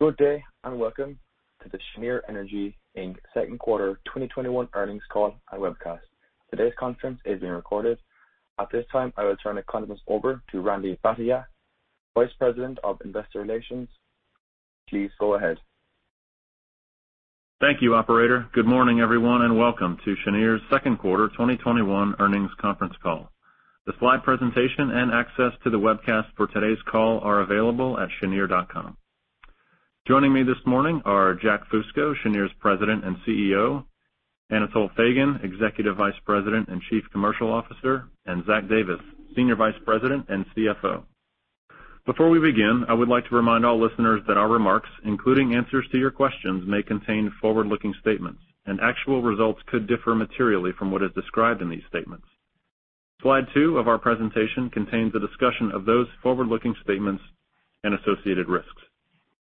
Good day. Welcome to the Cheniere Energy, Inc. second quarter 2021 earnings call and webcast. Today's conference is being recorded. At this time, I will turn the conference over to Randy Bhatia, Vice President of Investor Relations. Please go ahead. Thank you, operator. Good morning, everyone, and welcome to Cheniere's second quarter 2021 earnings conference call. The slide presentation and access to the webcast for today's call are available at cheniere.com. Joining me this morning are Jack Fusco, Cheniere's President and CEO, Anatol Feygin, Executive Vice President and Chief Commercial Officer, and Zach Davis, Senior Vice President and CFO. Before we begin, I would like to remind all listeners that our remarks, including answers to your questions, may contain forward-looking statements, and actual results could differ materially from what is described in these statements. Slide 2 of our presentation contains a discussion of those forward-looking statements and associated risks.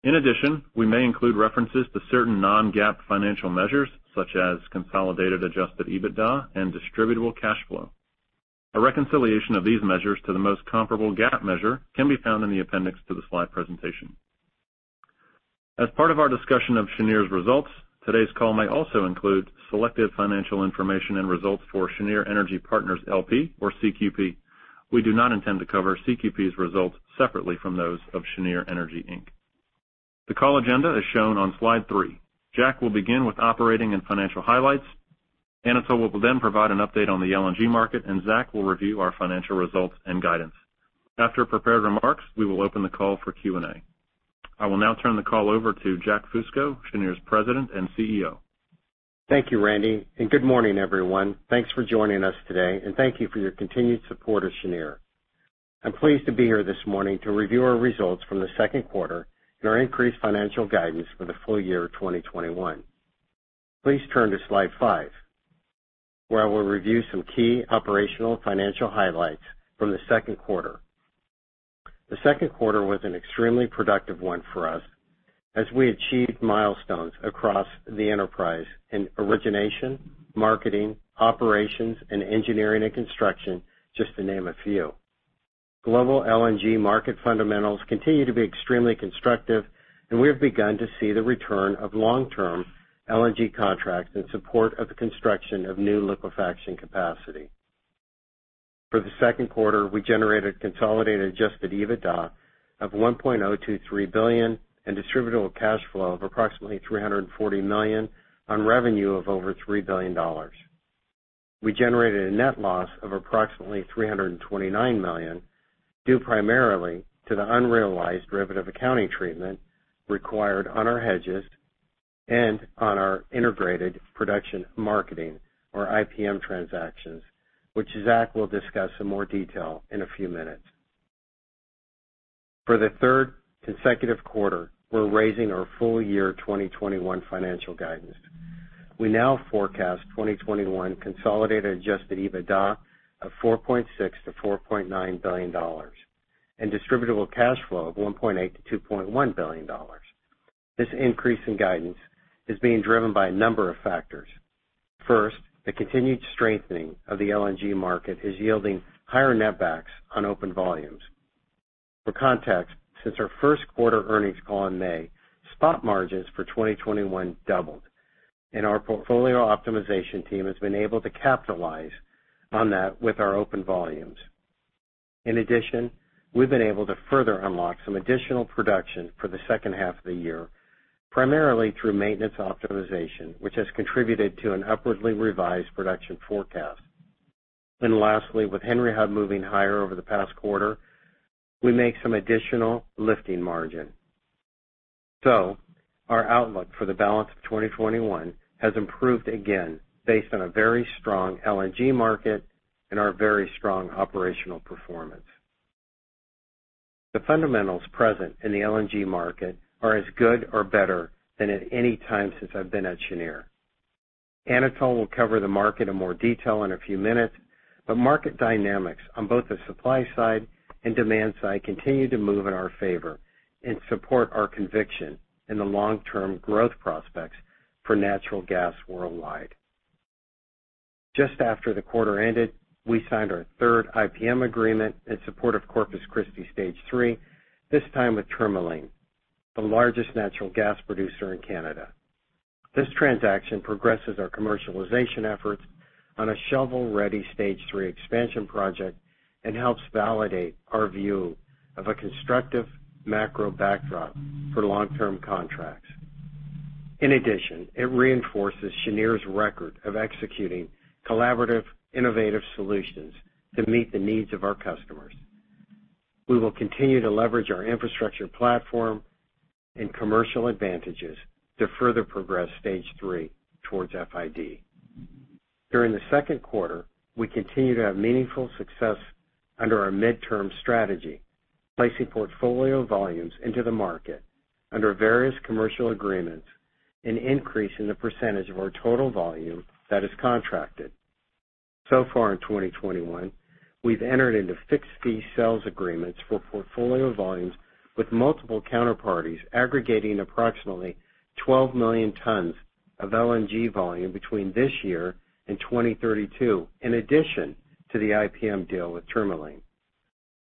In addition, we may include references to certain non-GAAP financial measures, such as consolidated adjusted EBITDA and distributable cash flow. A reconciliation of these measures to the most comparable GAAP measure can be found in the appendix to the slide presentation. As part of our discussion of Cheniere's results, today's call may also include selective financial information and results for Cheniere Energy Partners, L.P., or CQP. We do not intend to cover CQP's results separately from those of Cheniere Energy, Inc. The call agenda is shown on slide 3. Jack will begin with operating and financial highlights. Anatol will then provide an update on the LNG market, and Zach will review our financial results and guidance. After prepared remarks, we will open the call for Q&A. I will now turn the call over to Jack Fusco, Cheniere's President and CEO. Thank you, Randy. Good morning, everyone. Thanks for joining us today. Thank you for your continued support of Cheniere. I'm pleased to be here this morning to review our results from the second quarter and our increased financial guidance for the full year 2021. Please turn to slide 5, where I will review some key operational financial highlights from the second quarter. The second quarter was an extremely productive one for us as we achieved milestones across the enterprise in origination, marketing, operations, and engineering and construction, just to name a few. Global LNG market fundamentals continue to be extremely constructive. We have begun to see the return of long-term LNG contracts in support of the construction of new liquefaction capacity. For the second quarter, we generated consolidated adjusted EBITDA of $1.023 billion and distributable cash flow of approximately $340 million on revenue of over $3 billion. We generated a net loss of approximately $329 million, due primarily to the unrealized derivative accounting treatment required on our hedges and on our integrated production marketing, or IPM transactions, which Zach will discuss in more detail in a few minutes. For the third consecutive quarter, we're raising our full year 2021 financial guidance. We now forecast 2021 consolidated adjusted EBITDA of $4.6 billion-$4.9 billion and distributable cash flow of $1.8 billion-$2.1 billion. This increase in guidance is being driven by a number of factors. First, the continued strengthening of the LNG market is yielding higher net backs on open volumes. For context, since our first quarter earnings call in May, spot margins for 2021 doubled, and our portfolio optimization team has been able to capitalize on that with our open volumes. In addition, we've been able to further unlock some additional production for the second half of the year, primarily through maintenance optimization, which has contributed to an upwardly revised production forecast. Lastly, with Henry Hub moving higher over the past quarter, we make some additional lifting margin. Our outlook for the balance of 2021 has improved again based on a very strong LNG market and our very strong operational performance. The fundamentals present in the LNG market are as good or better than at any time since I've been at Cheniere. Anatol Feygin will cover the market in more detail in a few minutes, market dynamics on both the supply side and demand side continue to move in our favor and support our conviction in the long-term growth prospects for natural gas worldwide. Just after the quarter ended, we signed our 3rd IPM agreement in support of Corpus Christi Stage 3, this time with Tourmaline, the largest natural gas producer in Canada. This transaction progresses our commercialization efforts on a shovel-ready stage 3 expansion project and helps validate our view of a constructive macro backdrop for long-term contracts. In addition, it reinforces Cheniere's record of executing collaborative, innovative solutions to meet the needs of our customers. We will continue to leverage our infrastructure platform and commercial advantages to further progress stage 3 towards FID. During the second quarter, we continued to have meaningful success under our midterm strategy, placing portfolio volumes into the market under various commercial agreements and increasing the percentage of our total volume that is contracted. Far in 2021, we've entered into fixed-fee sales agreements for portfolio volumes with multiple counterparties aggregating approximately 12 million tons of LNG volume between this year and 2032, in addition to the IPM deal with Tourmaline.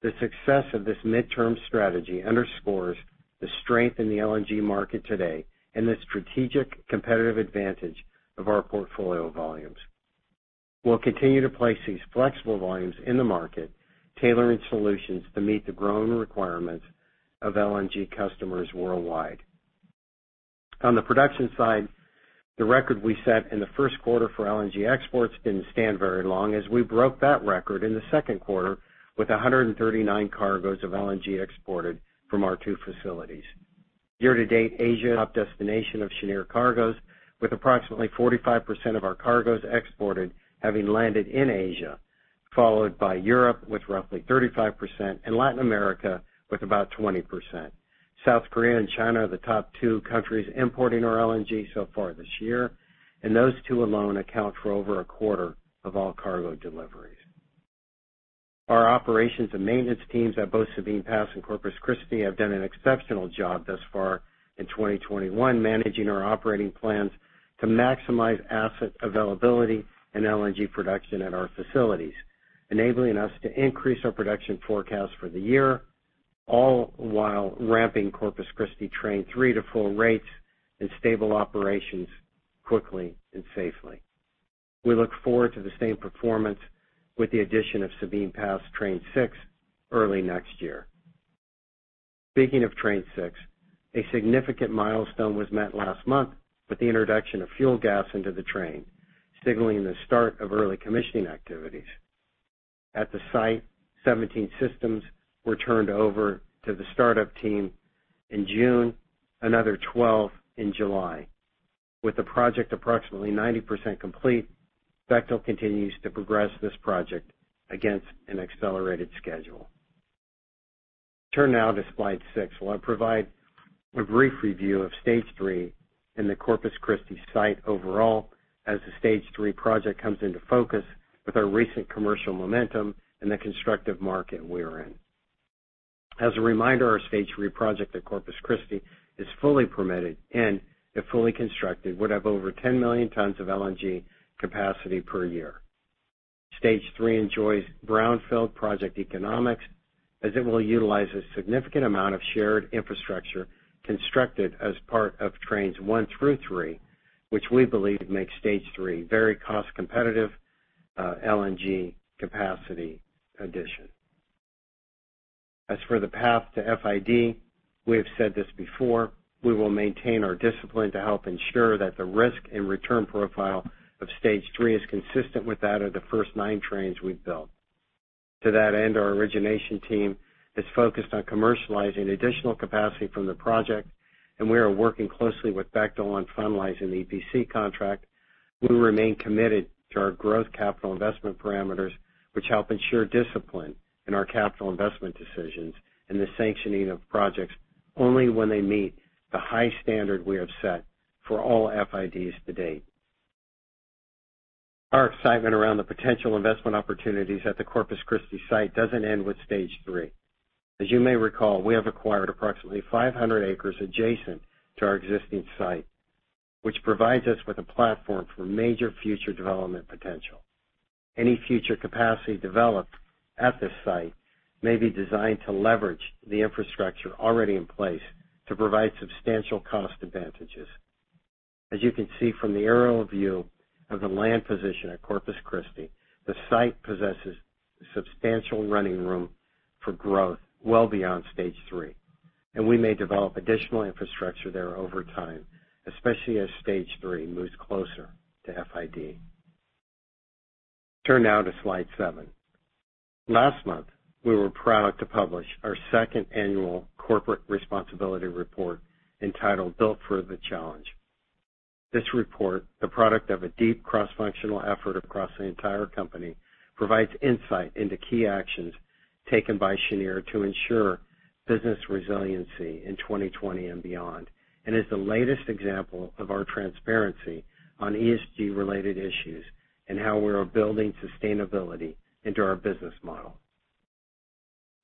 The success of this midterm strategy underscores the strength in the LNG market today and the strategic competitive advantage of our portfolio volumes. We'll continue to place these flexible volumes in the market, tailoring solutions to meet the growing requirements of LNG customers worldwide. On the production side, the record we set in the first quarter for LNG exports didn't stand very long, as we broke that record in the second quarter with 139 cargos of LNG exported from our two facilities. Year-to-date, Asia top destination of Cheniere cargos, with approximately 45% of our cargos exported having landed in Asia, followed by Europe with roughly 35%, and Latin America with about 20%. South Korea and China are the top two countries importing our LNG so far this year, and those two alone account for over a quarter of all cargo deliveries. Our operations and maintenance teams at both Sabine Pass and Corpus Christi have done an exceptional job thus far in 2021, managing our operating plans to maximize asset availability and LNG production at our facilities, enabling us to increase our production forecast for the year, all while ramping Corpus Christi Train three to full rates and stable operations quickly and safely. We look forward to the same performance with the addition of Sabine Pass Train six early next year. Speaking of Train six, a significant milestone was met last month with the introduction of fuel gas into the train, signaling the start of early commissioning activities. At the site, 17 systems were turned over to the startup team in June, another 12 in July. With the project approximately 90% complete, Bechtel continues to progress this project against an accelerated schedule. Turn now to slide 6, where I provide a brief review of Stage three in the Corpus Christi site overall as the Stage three project comes into focus with our recent commercial momentum and the constructive market we are in. As a reminder, our Stage three project at Corpus Christi is fully permitted and, if fully constructed, would have over 10 million tons of LNG capacity per year. Stage three enjoys brownfield project economics as it will utilize a significant amount of shared infrastructure constructed as part of trains one through three, which we believe makes Stage three very cost-competitive LNG capacity addition. As for the path to FID, we have said this before, we will maintain our discipline to help ensure that the risk and return profile of Stage three is consistent with that of the first nine trains we've built. To that end, our origination team is focused on commercializing additional capacity from the project, and we are working closely with Bechtel on finalizing the EPC contract. We remain committed to our growth capital investment parameters, which help ensure discipline in our capital investment decisions and the sanctioning of projects only when they meet the high standard we have set for all FIDs to date. Our excitement around the potential investment opportunities at the Corpus Christi site doesn't end with Stage three. As you may recall, we have acquired approximately 500 acres adjacent to our existing site, which provides us with a platform for major future development potential. Any future capacity developed at this site may be designed to leverage the infrastructure already in place to provide substantial cost advantages. As you can see from the aerial view of the land position at Corpus Christi, the site possesses substantial running room for growth well beyond Stage three, and we may develop additional infrastructure there over time, especially as Stage three moves closer to FID. Turn now to slide 7. Last month, we were proud to publish our second annual corporate responsibility report entitled Built for the Challenge. This report, the product of a deep cross-functional effort across the entire company, provides insight into key actions taken by Cheniere to ensure business resiliency in 2020 and beyond and is the latest example of our transparency on ESG-related issues and how we are building sustainability into our business model.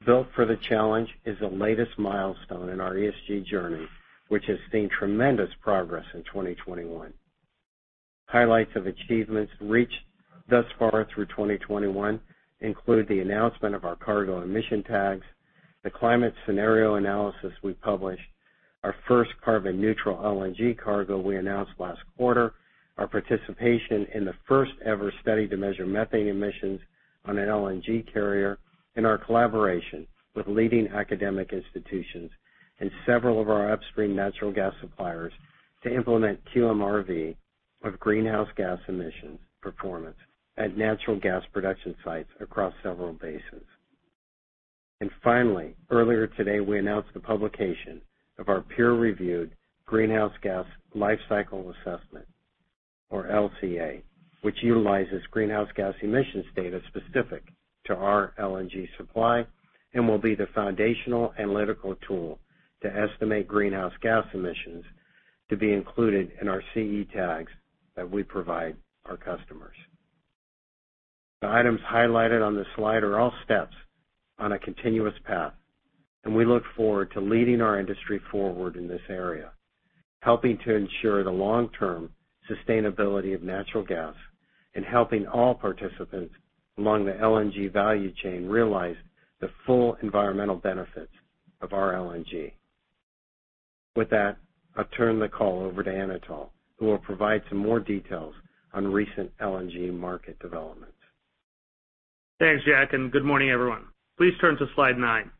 Built for the Challenge is the latest milestone in our ESG journey, which has seen tremendous progress in 2021. Highlights of achievements reached thus far through 2021 include the announcement of our Cargo Emissions Tags, the climate scenario analysis we published, our first carbon neutral LNG cargo we announced last quarter, our participation in the first-ever study to measure methane emissions on an LNG carrier, and our collaboration with leading academic institutions and several of our upstream natural gas suppliers to implement QMRV of greenhouse gas emissions performance at natural gas production sites across several bases. Finally, earlier today, we announced the publication of our peer-reviewed greenhouse gas life cycle assessment, or LCA, which utilizes greenhouse gas emissions data specific to our LNG supply and will be the foundational analytical tool to estimate greenhouse gas emissions to be included in our CE Tags that we provide our customers. The items highlighted on this slide are all steps on a continuous path, and we look forward to leading our industry forward in this area, helping to ensure the long-term sustainability of natural gas, and helping all participants along the LNG value chain realize the full environmental benefits of our LNG. With that, I'll turn the call over to Anatol, who will provide some more details on recent LNG market developments. Thanks, Jack, and good morning, everyone. Please turn to slide 9.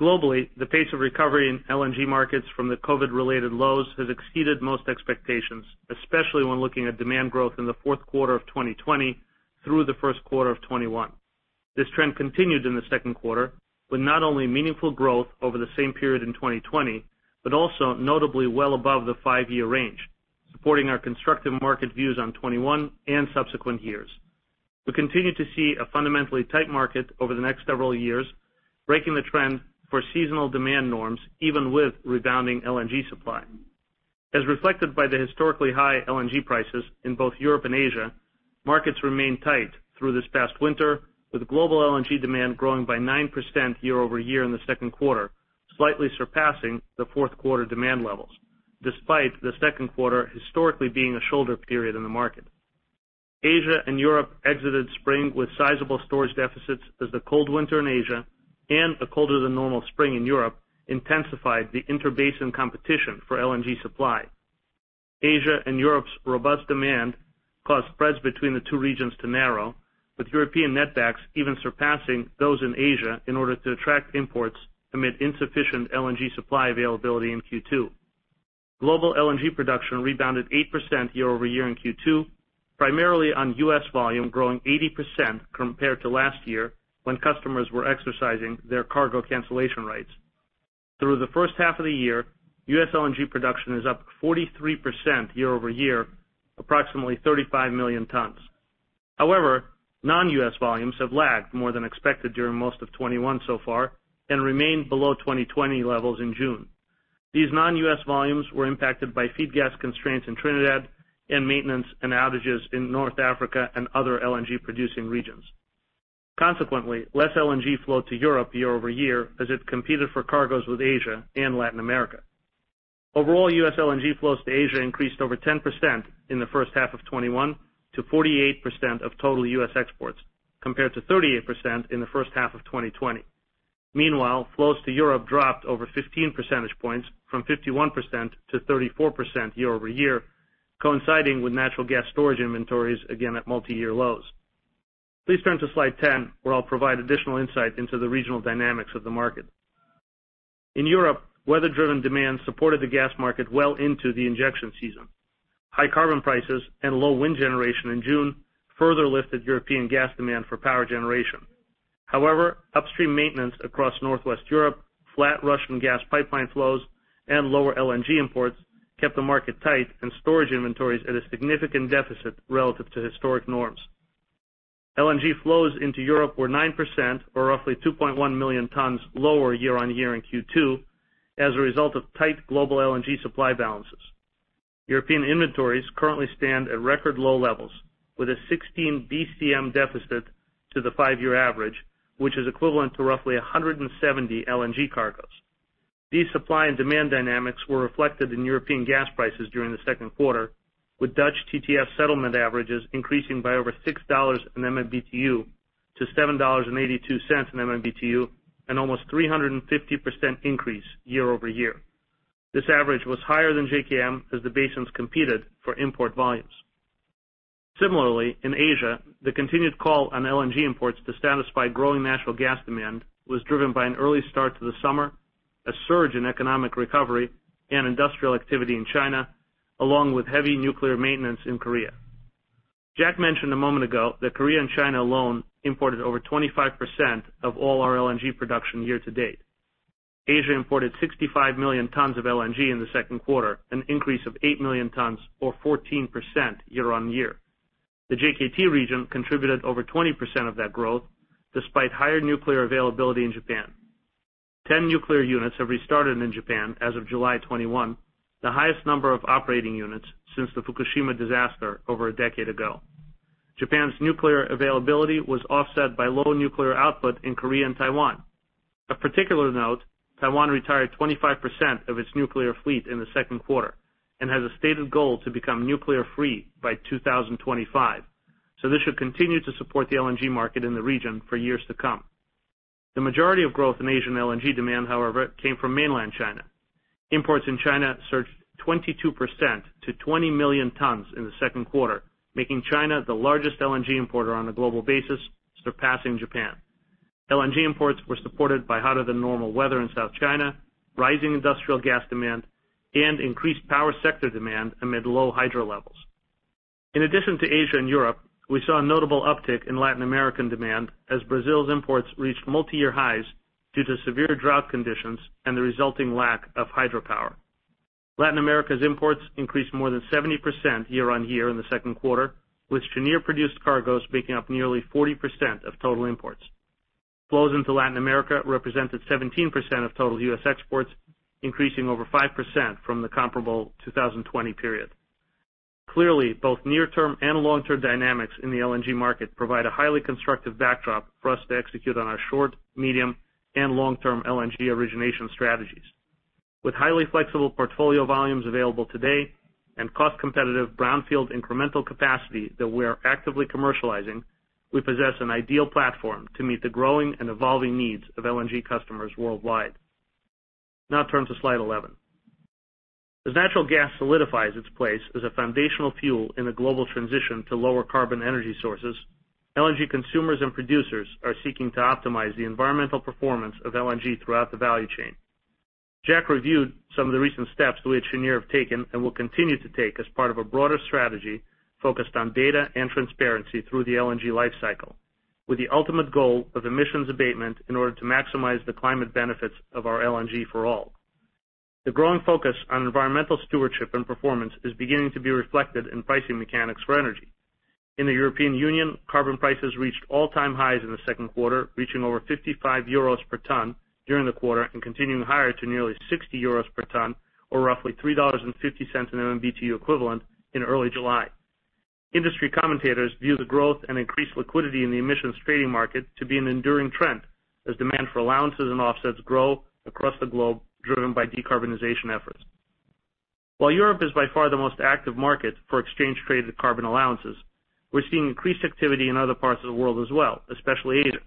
Globally, the pace of recovery in LNG markets from the COVID-related lows has exceeded most expectations, especially when looking at demand growth in the fourth quarter of 2020 through the first quarter of 2021. This trend continued in the second quarter with not only meaningful growth over the same period in 2020, but also notably well above the five-year range, supporting our constructive market views on 2021 and subsequent years. We continue to see a fundamentally tight market over the next several years, breaking the trend for seasonal demand norms, even with rebounding LNG supply. As reflected by the historically high LNG prices in both Europe and Asia, markets remained tight through this past winter, with global LNG demand growing by 9% year-over-year in the second quarter, slightly surpassing the fourth quarter demand levels, despite the second quarter historically being a shoulder period in the market. Asia and Europe exited spring with sizable storage deficits as the cold winter in Asia and a colder than normal spring in Europe intensified the interbasin competition for LNG supply. Asia and Europe's robust demand caused spreads between the two regions to narrow, with European netbacks even surpassing those in Asia in order to attract imports amid insufficient LNG supply availability in Q2. Global LNG production rebounded 8% year-over-year in Q2, primarily on U.S. volume growing 80% compared to last year when customers were exercising their cargo cancellation rights. Through the first half of the year, U.S. LNG production is up 43% year-over-year, approximately 35 million tons. Non-U.S. volumes have lagged more than expected during most of 2021 so far and remained below 2020 levels in June. These non-U.S. volumes were impacted by feed gas constraints in Trinidad and maintenance and outages in North Africa and other LNG-producing regions. Less LNG flowed to Europe year-over-year as it competed for cargoes with Asia and Latin America. U.S. LNG flows to Asia increased over 10% in the first half of 2021 to 48% of total U.S. exports, compared to 38% in the first half of 2020. Flows to Europe dropped over 15 percentage points from 51% to 34% year-over-year, coinciding with natural gas storage inventories again at multi-year lows. Please turn to slide 10, where I'll provide additional insight into the regional dynamics of the market. In Europe, weather-driven demand supported the gas market well into the injection season. High carbon prices and low wind generation in June further lifted European gas demand for power generation. However, upstream maintenance across Northwest Europe, flat Russian gas pipeline flows, and lower LNG imports kept the market tight and storage inventories at a significant deficit relative to historic norms. LNG flows into Europe were 9% or roughly 2.1 million tons lower year-on-year in Q2 as a result of tight global LNG supply balances. European inventories currently stand at record low levels with a 16 BCM deficit to the 5-year average, which is equivalent to roughly 170 LNG cargoes. These supply and demand dynamics were reflected in European gas prices during the second quarter, with Dutch TTF settlement averages increasing by over $6/MMBtu to $7.82/MMBtu, an almost 350% increase year-over-year. This average was higher than JKM as the basins competed for import volumes. Similarly, in Asia, the continued call on LNG imports to satisfy growing natural gas demand was driven by an early start to the summer, a surge in economic recovery, and industrial activity in China, along with heavy nuclear maintenance in Korea. Jack mentioned a moment ago that Korea and China alone imported over 25% of all our LNG production year to date. Asia imported 65 million tons of LNG in the second quarter, an increase of 8 million tons or 14% year-on-year. The JKM region contributed over 20% of that growth despite higher nuclear availability in Japan. 10 nuclear units have restarted in Japan as of July 2021, the highest number of operating units since the Fukushima disaster over a decade ago. Japan's nuclear availability was offset by low nuclear output in Korea and Taiwan. Of particular note, Taiwan retired 25% of its nuclear fleet in the second quarter and has a stated goal to become nuclear-free by 2025, so this should continue to support the LNG market in the region for years to come. The majority of growth in Asian LNG demand, however, came from mainland China. Imports in China surged 22% to 20 million tons in the second quarter, making China the largest LNG importer on a global basis, surpassing Japan. LNG imports were supported by hotter than normal weather in South China, rising industrial gas demand, and increased power sector demand amid low hydro levels. In addition to Asia and Europe, we saw a notable uptick in Latin American demand as Brazil's imports reached multi-year highs due to severe drought conditions and the resulting lack of hydropower. Latin America's imports increased more than 70% year-on-year in the second quarter, with Cheniere-produced cargoes making up nearly 40% of total imports. Flows into Latin America represented 17% of total U.S. exports, increasing over 5% from the comparable 2020 period. Clearly, both near-term and long-term dynamics in the LNG market provide a highly constructive backdrop for us to execute on our short, medium, and long-term LNG origination strategies. With highly flexible portfolio volumes available today and cost-competitive brownfield incremental capacity that we are actively commercializing, we possess an ideal platform to meet the growing and evolving needs of LNG customers worldwide. Now turn to slide 11. As natural gas solidifies its place as a foundational fuel in the global transition to lower carbon energy sources, LNG consumers and producers are seeking to optimize the environmental performance of LNG throughout the value chain. Jack reviewed some of the recent steps which Cheniere have taken and will continue to take as part of a broader strategy focused on data and transparency through the LNG life cycle, with the ultimate goal of emissions abatement in order to maximize the climate benefits of our LNG for all. The growing focus on environmental stewardship and performance is beginning to be reflected in pricing mechanics for energy. In the European Union, carbon prices reached all-time highs in the second quarter, reaching over 55 euros per ton during the quarter and continuing higher to nearly 60 euros per ton, or roughly $3.50 an MMBtu equivalent in early July. Industry commentators view the growth and increased liquidity in the emissions trading market to be an enduring trend as demand for allowances and offsets grow across the globe, driven by decarbonization efforts. While Europe is by far the most active market for exchange-traded carbon allowances, we're seeing increased activity in other parts of the world as well, especially Asia.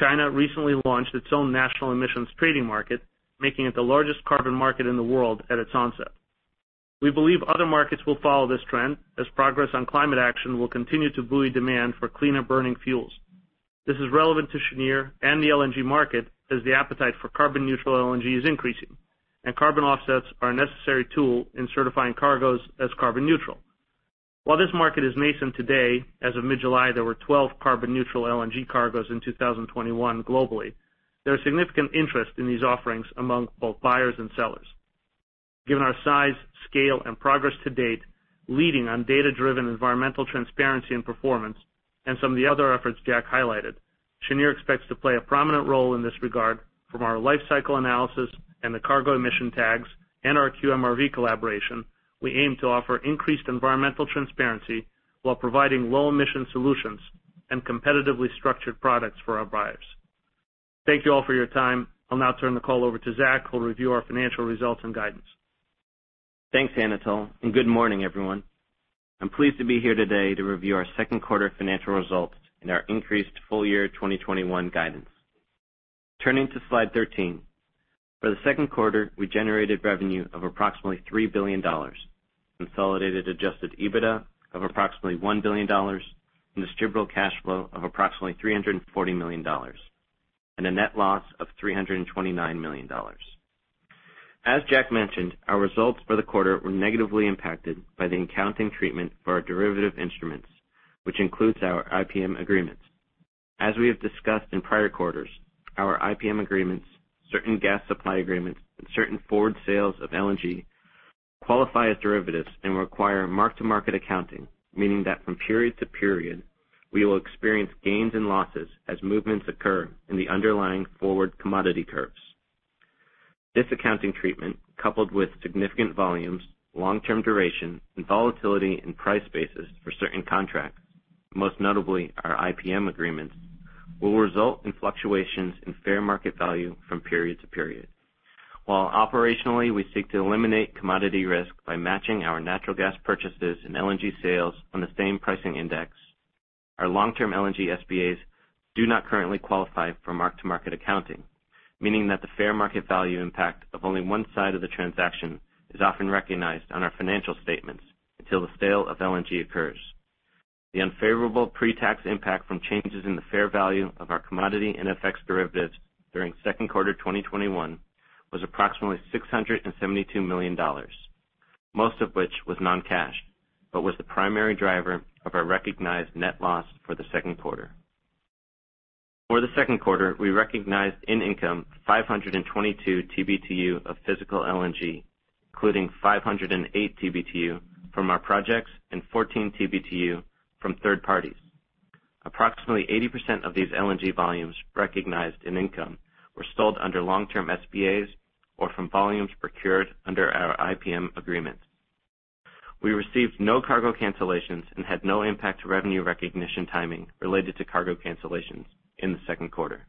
China recently launched its own national emissions trading market, making it the largest carbon market in the world at its onset. We believe other markets will follow this trend as progress on climate action will continue to buoy demand for cleaner-burning fuels. This is relevant to Cheniere and the LNG market as the appetite for carbon-neutral LNG is increasing, and carbon offsets are a necessary tool in certifying cargoes as carbon-neutral. While this market is nascent today, as of mid-July, there were 12 carbon-neutral LNG cargoes in 2021 globally. There is significant interest in these offerings among both buyers and sellers. Given our size, scale, and progress to date, leading on data-driven environmental transparency and performance and some of the other efforts Jack highlighted, Cheniere expects to play a prominent role in this regard. From our life cycle analysis and the Cargo Emission Tags and our QMRV collaboration, we aim to offer increased environmental transparency while providing low-emission solutions and competitively structured products for our buyers. Thank you all for your time. I'll now turn the call over to Zach, who'll review our financial results and guidance. Thanks, Anatol Feygin. Good morning, everyone. I'm pleased to be here today to review our second quarter financial results and our increased full-year 2021 guidance. Turning to slide 13. For the second quarter, we generated revenue of approximately $3 billion. Consolidated adjusted EBITDA of approximately $1 billion, distributable cash flow of approximately $340 million, and a net loss of $329 million. As Jack mentioned, our results for the quarter were negatively impacted by the accounting treatment for our derivative instruments, which includes our IPM agreements. As we have discussed in prior quarters, our IPM agreements, certain gas supply agreements, and certain forward sales of LNG qualify as derivatives and require mark-to-market accounting, meaning that from period to period, we will experience gains and losses as movements occur in the underlying forward commodity curves. This accounting treatment, coupled with significant volumes, long-term duration, and volatility in price basis for certain contracts, most notably our IPM agreements, will result in fluctuations in fair market value from period to period. While operationally, we seek to eliminate commodity risk by matching our natural gas purchases and LNG sales on the same pricing index, our long-term LNG SPAs do not currently qualify for mark-to-market accounting, meaning that the fair market value impact of only one side of the transaction is often recognized on our financial statements until the sale of LNG occurs. The unfavorable pre-tax impact from changes in the fair value of our commodity and FX derivatives during second quarter 2021 was approximately $672 million, most of which was non-cash, but was the primary driver of our recognized net loss for the second quarter. For the second quarter, we recognized in income 522 TBTU of physical LNG, including 508 TBTU from our projects and 14 TBTU from third parties. Approximately 80% of these LNG volumes recognized in income were sold under long-term SPAs or from volumes procured under our IPM agreements. We received no cargo cancellations and had no impact to revenue recognition timing related to cargo cancellations in the second quarter.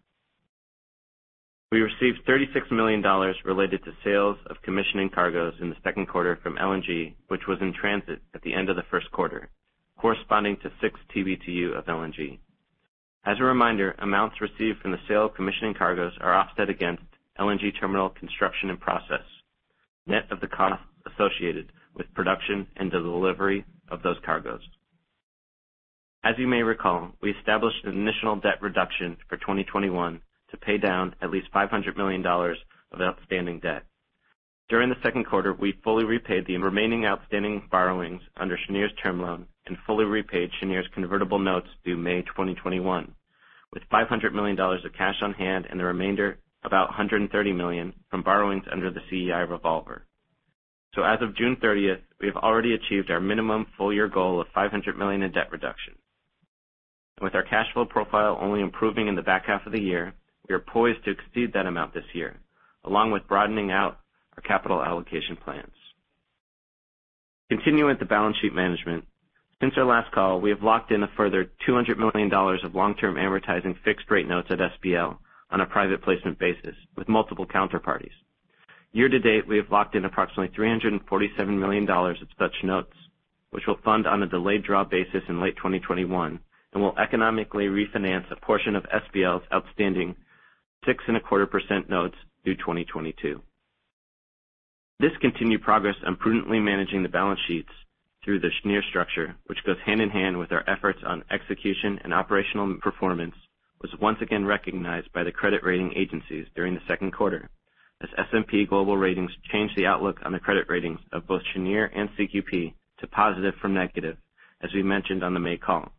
We received $36 million related to sales of commissioning cargoes in the second quarter from LNG, which was in transit at the end of the first quarter, corresponding to six TBTU of LNG. As a reminder, amounts received from the sale of commissioning cargoes are offset against LNG terminal construction and process, net of the costs associated with production and delivery of those cargoes. As you may recall, we established an initial debt reduction for 2021 to pay down at least $500 million of outstanding debt. During the second quarter, we fully repaid the remaining outstanding borrowings under Cheniere's term loan and fully repaid Cheniere's convertible notes due May 2021, with $500 million of cash on hand and the remainder, about $130 million, from borrowings under the CEI revolver. As of June 30th, we have already achieved our minimum full-year goal of $500 million in debt reduction. With our cash flow profile only improving in the back half of the year, we are poised to exceed that amount this year, along with broadening out our capital allocation plans. Continuing with the balance sheet management, since our last call, we have locked in a further $200 million of long-term amortizing fixed-rate notes at SBL on a private placement basis with multiple counterparties. Year-to-date, we have locked in approximately $347 million of such notes, which will fund on a delayed draw basis in late 2021 and will economically refinance a portion of SBL's outstanding 6.25% notes due 2022. This continued progress on prudently managing the balance sheets through the Cheniere structure, which goes hand-in-hand with our efforts on execution and operational performance, was once again recognized by the credit rating agencies during the second quarter as S&P Global Ratings changed the outlook on the credit ratings of both Cheniere and CQP to positive from negative, as we mentioned on the May call.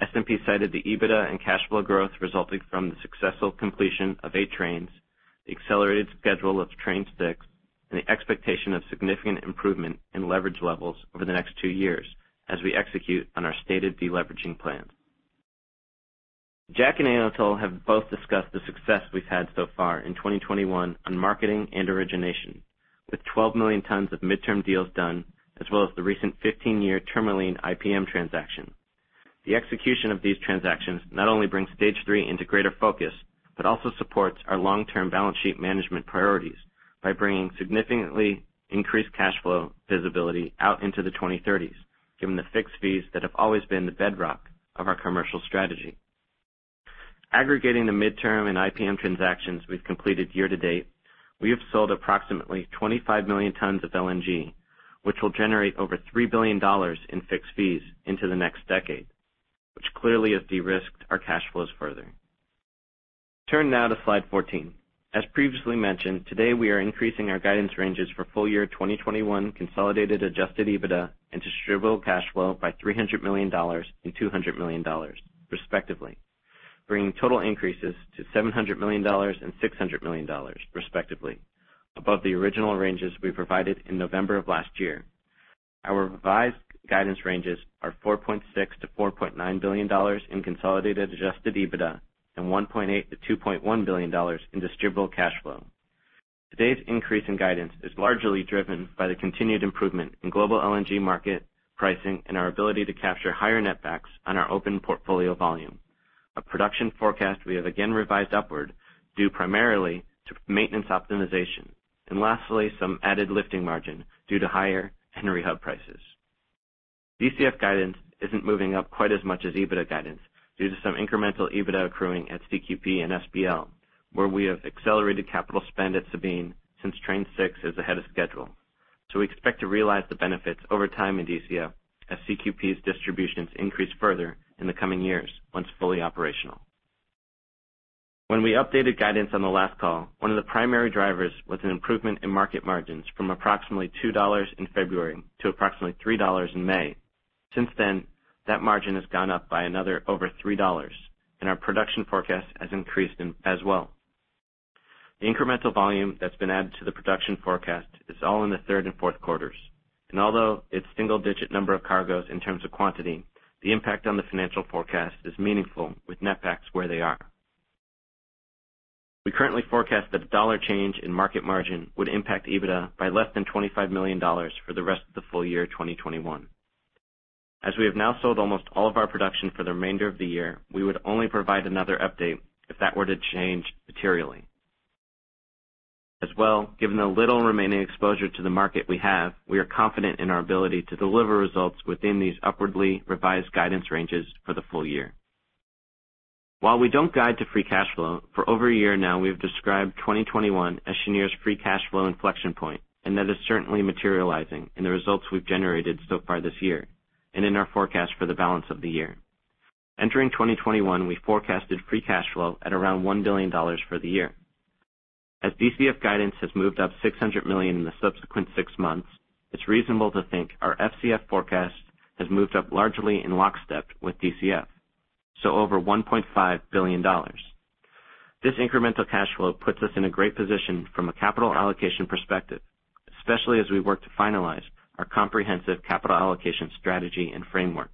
S&P cited the EBITDA and cash flow growth resulting from the successful completion of 8 trains, the accelerated schedule of train six, and the expectation of significant improvement in leverage levels over the next two years as we execute on our stated de-leveraging plans. Jack and Anatol have both discussed the success we've had so far in 2021 on marketing and origination, with 12 million tons of midterm deals done, as well as the recent 15-year Tourmaline IPM transaction. The execution of these transactions not only brings stage 3 into greater focus, but also supports our long-term balance sheet management priorities by bringing significantly increased cash flow visibility out into the 2030s, given the fixed fees that have always been the bedrock of our commercial strategy. Aggregating the midterm and IPM transactions we've completed year-to-date, we have sold approximately 25 million tons of LNG, which will generate over $3 billion in fixed fees into the next decade, which clearly has de-risked our cash flows further. Turn now to slide 14. As previously mentioned, today we are increasing our guidance ranges for full-year 2021 consolidated adjusted EBITDA and distributable cash flow by $300 million and $200 million respectively, bringing total increases to $700 million and $600 million respectively above the original ranges we provided in November of last year. Our revised guidance ranges are $4.6 billion-$4.9 billion in consolidated adjusted EBITDA and $1.8 billion-$2.1 billion in distributable cash flow. Today's increase in guidance is largely driven by the continued improvement in global LNG market pricing and our ability to capture higher netbacks on our open portfolio volume. A production forecast we have again revised upward due primarily to maintenance optimization, and lastly, some added lifting margin due to higher Henry Hub prices. DCF guidance isn't moving up quite as much as EBITDA guidance due to some incremental EBITDA accruing at CQP and SBL, where we have accelerated capital spend at Sabine since Train six is ahead of schedule. We expect to realize the benefits over time in DCF as CQP's distributions increase further in the coming years once fully operational. When we updated guidance on the last call, one of the primary drivers was an an improvement in market margins from approximately $2 in February to approximately $3 in May. Since then, that margin has gone up by another over $3, and our production forecast has increased as well. The incremental volume that's been added to the production forecast is all in the 3rd and 4th quarters, and although it's single-digit number of cargoes in terms of quantity, the impact on the financial forecast is meaningful with netbacks where they are. We currently forecast that a dollar change in market margin would impact EBITDA by less than $25 million for the rest of the full year 2021. We have now sold almost all of our production for the remainder of the year, we would only provide another update if that were to change materially. Given the little remaining exposure to the market we have, we are confident in our ability to deliver results within these upwardly revised guidance ranges for the full year. While we don't guide to free cash flow, for over a year now, we have described 2021 as Cheniere's free cash flow inflection point, and that is certainly materializing in the results we've generated so far this year and in our forecast for the balance of the year. Entering 2021, we forecasted free cash flow at around $1 billion for the year. As DCF guidance has moved up $600 million in the subsequent six months, it's reasonable to think our FCF forecast has moved up largely in lockstep with DCF, so over $1.5 billion. This incremental cash flow puts us in a great position from a capital allocation perspective, especially as we work to finalize our comprehensive capital allocation strategy and framework.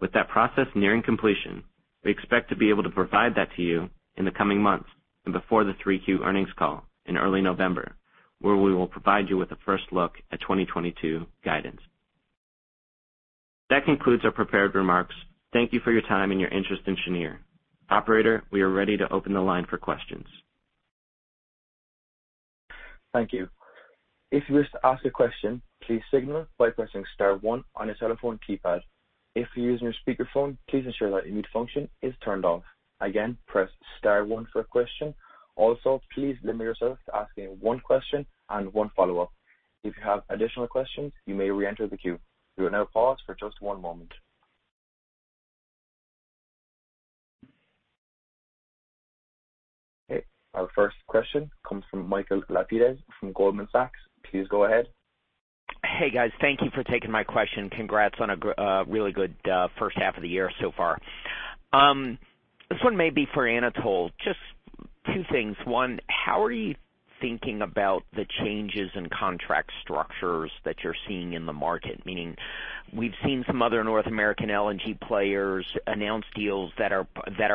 With that process nearing completion, we expect to be able to provide that to you in the coming months and before the 3 Q earnings call in early November, where we will provide you with a first look at 2022 guidance. That concludes our prepared remarks. Thank you for your time and your interest in Cheniere. Operator, we are ready to open the line for questions. Thank you. If you wish to ask a question please signal by pressing star one on your telephone keypad, if you using a speaker phone please ensure that your mute function is turn down, again press star one for question, also please limit yourself to asking one question and one follow up. If you have additional question you may re-enter the queue. We would now pause for just one moment. Our first question comes from Michael Lapides from Goldman Sachs. Please go ahead. Hey guys, thank you for taking my question. Congrats on a really good first half of the year so far. This one may be for Anatol. Just two things. One, how are you thinking about the changes in contract structures that you're seeing in the market? Meaning, we've seen some other North American LNG players announce deals that are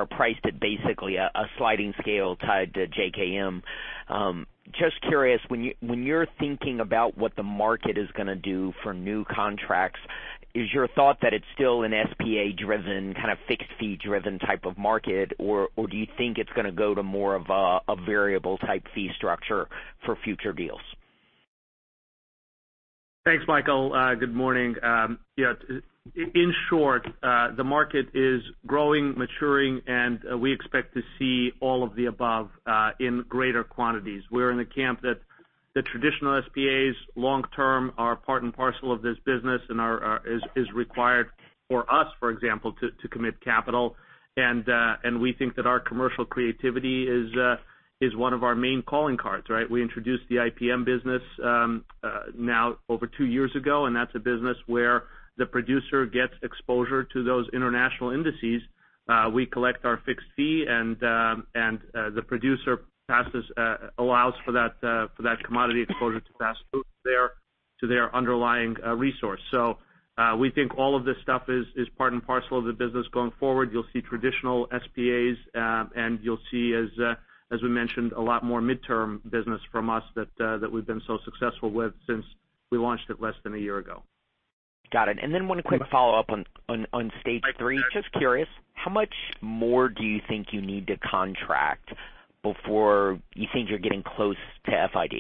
priced at basically a sliding scale tied to JKM. Just curious, when you're thinking about what the market is going to do for new contracts, is your thought that it's still an SPA-driven, kind of fixed-fee-driven type of market? Or do you think it's going to go to more of a variable-type fee structure for future deals? Thanks, Michael. Good morning. Yeah, in short, the market is growing, maturing, and we expect to see all of the above, in greater quantities. We're in a camp that the traditional SPAs long term are part and parcel of this business and is required for us, for example, to commit capital. We think that our commercial creativity is one of our main calling cards. We introduced the IPM business now over two years ago, and that's a business where the producer gets exposure to those international indices. We collect our fixed fee, and the producer allows for that commodity exposure to pass through to their underlying resource. We think all of this stuff is part and parcel of the business going forward. You'll see traditional SPAs, and you'll see as we mentioned, a lot more midterm business from us that we've been so successful with since we launched it less than one year ago. Got it. One quick follow-up on stage three. Just curious, how much more do you think you need to contract before you think you're getting close to FID?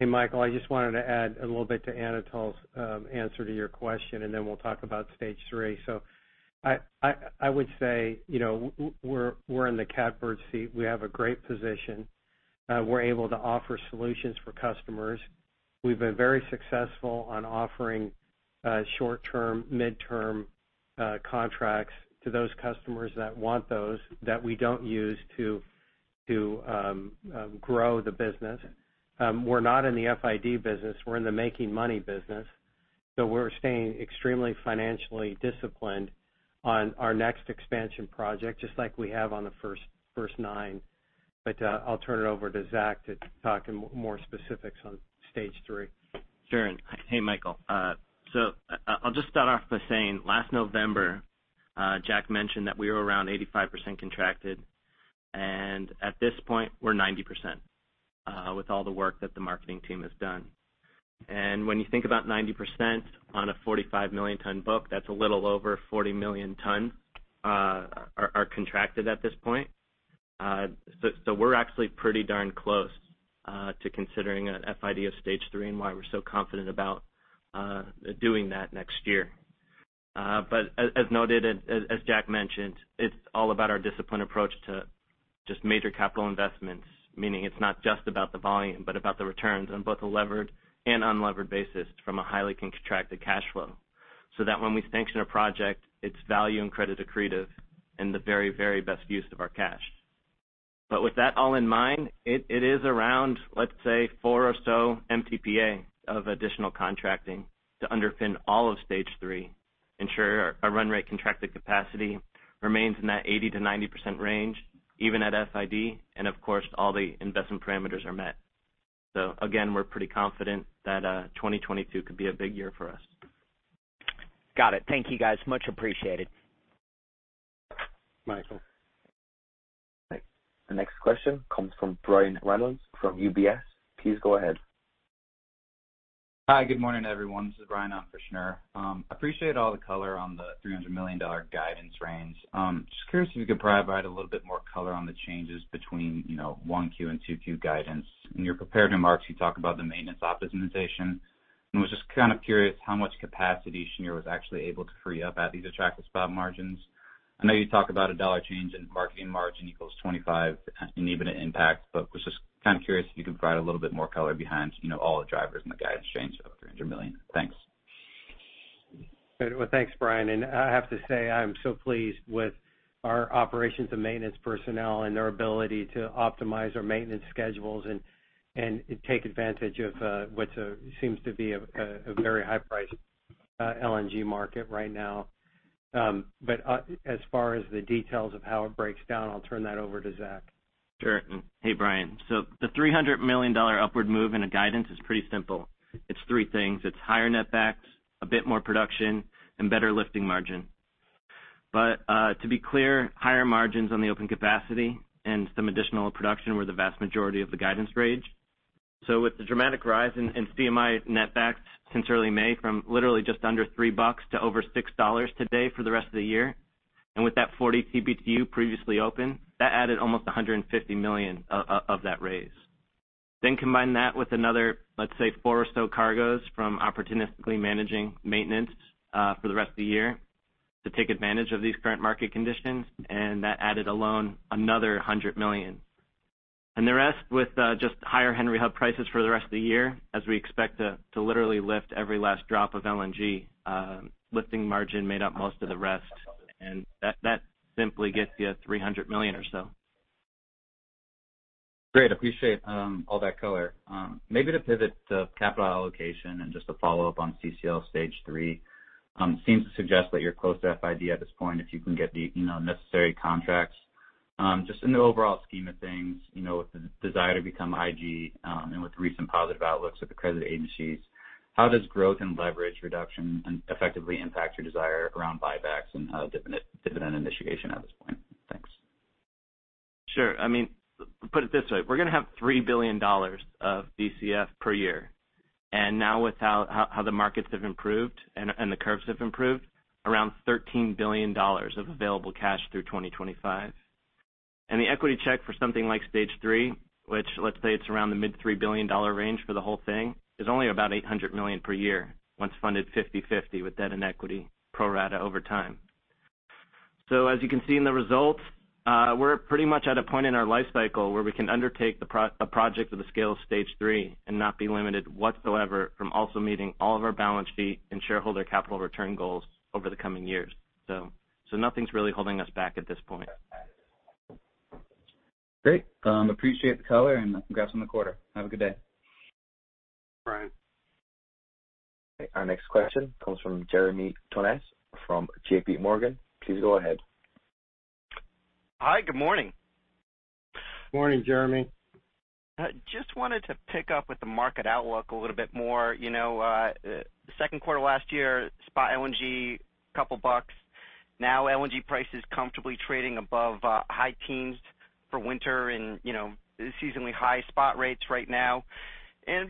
Hey, Michael. I just wanted to add a little bit to Anatol's answer to your question, and then we'll talk about Stage three. I would say we're in the catbird seat. We have a great position. We're able to offer solutions for customers. We've been very successful on offering short-term, midterm contracts to those customers that want those that we don't use to grow the business. We're not in the FID business. We're in the making money business. We're staying extremely financially disciplined on our next expansion project, just like we have on the first nine. I'll turn it over to Zach to talk in more specifics on Stage three. Sure. Hey, Michael. I'll just start off by saying last November, Jack mentioned that we were around 85% contracted, and at this point, we're 90% with all the work that the marketing team has done. When you think about 90% on a 45 million tons book, that's a little over 40 million tons are contracted at this point. We're actually pretty darn close to considering an FID of stage three and why we're so confident about doing that next year. As noted, as Jack mentioned, it's all about our disciplined approach to just major capital investments, meaning it's not just about the volume, but about the returns on both a levered and unlevered basis from a highly contracted cash flow. That when we sanction a project, it's value and credit accretive and the very best use of our cash. With that all in mind, it is around, let's say, four or so MTPA of additional contracting to underpin all of Stage three, ensure our run rate contracted capacity remains in that 80%-90% range, even at FID. Of course, all the investment parameters are met. Again, we're pretty confident that 2022 could be a big year for us. Got it. Thank you guys. Much appreciated. Michael. The next question comes from Brian Reynolds from UBS. Please go ahead. Hi. Good morning, everyone. This is Brian on for Shneur. Appreciate all the color on the $300 million guidance range. Just curious if you could provide a little bit more color on the changes between 1Q and 2Q guidance. In your prepared remarks, you talk about the maintenance optimization, and was just kind of curious how much capacity Cheniere was actually able to free up at these attractive spot margins. I know you talk about a dollar change in marketing margin equals $25 in EBITDA impact, but was just kind of curious if you could provide a little bit more color behind all the drivers and the guidance change of $300 million. Thanks. Well, thanks, Brian. I have to say, I am so pleased with our operations and maintenance personnel and their ability to optimize our maintenance schedules and take advantage of what seems to be a very high-priced LNG market right now. As far as the details of how it breaks down, I'll turn that over to Zach. Sure. Hey, Brian. The $300 million upward move in the guidance is pretty simple. It's three things. It's higher netbacks, a bit more production, and better lifting margin. To be clear, higher margins on the open capacity and some additional production were the vast majority of the guidance range. With the dramatic rise in CMI netbacks since early May from literally just under $3 to over $6 today for the rest of the year, and with that 40 TBTU previously open, that added almost $150 million of that raise. Combine that with another, let's say, four or so cargoes from opportunistically managing maintenance for the rest of the year to take advantage of these current market conditions, and that added alone another $100 million. The rest with just higher Henry Hub prices for the rest of the year, as we expect to literally lift every last drop of LNG. Lifting margin made up most of the rest, and that simply gets you $300 million or so. Great. Appreciate all that color. Maybe to pivot to capital allocation, just a follow-up on CCL Stage three. Seems to suggest that you're close to FID at this point if you can get the necessary contracts. Just in the overall scheme of things, with the desire to become IG, and with recent positive outlooks at the credit agencies, how does growth and leverage reduction effectively impact your desire around buybacks and dividend initiation at this point? Thanks. Sure. Put it this way. We're going to have $3 billion of DCF per year. Now with how the markets have improved and the curves have improved, around $13 billion of available cash through 2025. The equity check for something like Stage three, which let's say it's around the mid $3 billion range for the whole thing, is only about $800 million per year, once funded 50/50 with debt and equity pro rata over time. As you can see in the results, we're pretty much at a point in our life cycle where we can undertake a project of the scale of Stage 3 and not be limited whatsoever from also meeting all of our balance sheet and shareholder capital return goals over the coming years. Nothing's really holding us back at this point. Great. Appreciate the color and congrats on the quarter. Have a good day. All right. Our next question comes from Jeremy Tonet from JPMorgan. Please go ahead. Hi, good morning. Morning, Jeremy. Just wanted to pick up with the market outlook a little bit more. Second quarter last year, spot LNG, $2. Now LNG prices comfortably trading above high teens for winter and seasonally high spot rates right now.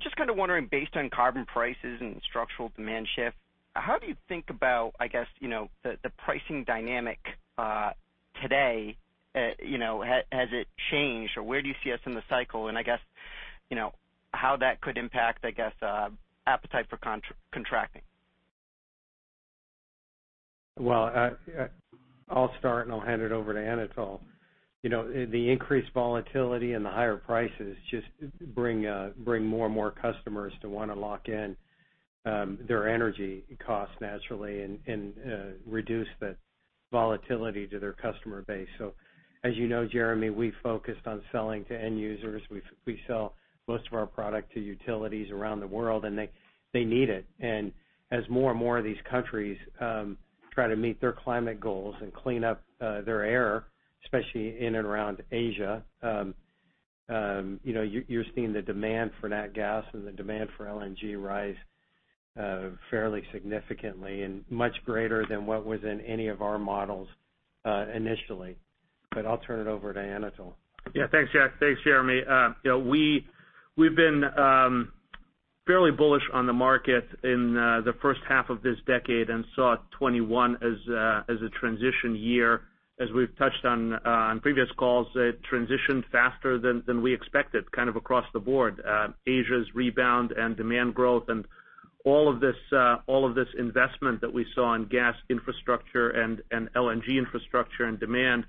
Just kind of wondering, based on carbon prices and structural demand shift, how do you think about the pricing dynamic today? Has it changed or where do you see us in the cycle? How that could impact appetite for contracting? Well, I'll start and I'll hand it over to Anatol. The increased volatility and the higher prices just bring more and more customers to want to lock in their energy costs naturally and reduce the volatility to their customer base. As you know, Jeremy, we focused on selling to end users. We sell most of our product to utilities around the world. They need it. As more and more of these countries try to meet their climate goals and clean up their air, especially in and around Asia, you're seeing the demand for nat gas and the demand for LNG rise fairly significantly and much greater than what was in any of our models initially. I'll turn it over to Anatol. Yeah. Thanks, Jack. Thanks, Jeremy. We've been fairly bullish on the market in the first half of this decade and saw 2021 as a transition year. As we've touched on previous calls, it transitioned faster than we expected, kind of across the board. Asia's rebound and demand growth and all of this investment that we saw on gas infrastructure and LNG infrastructure and demand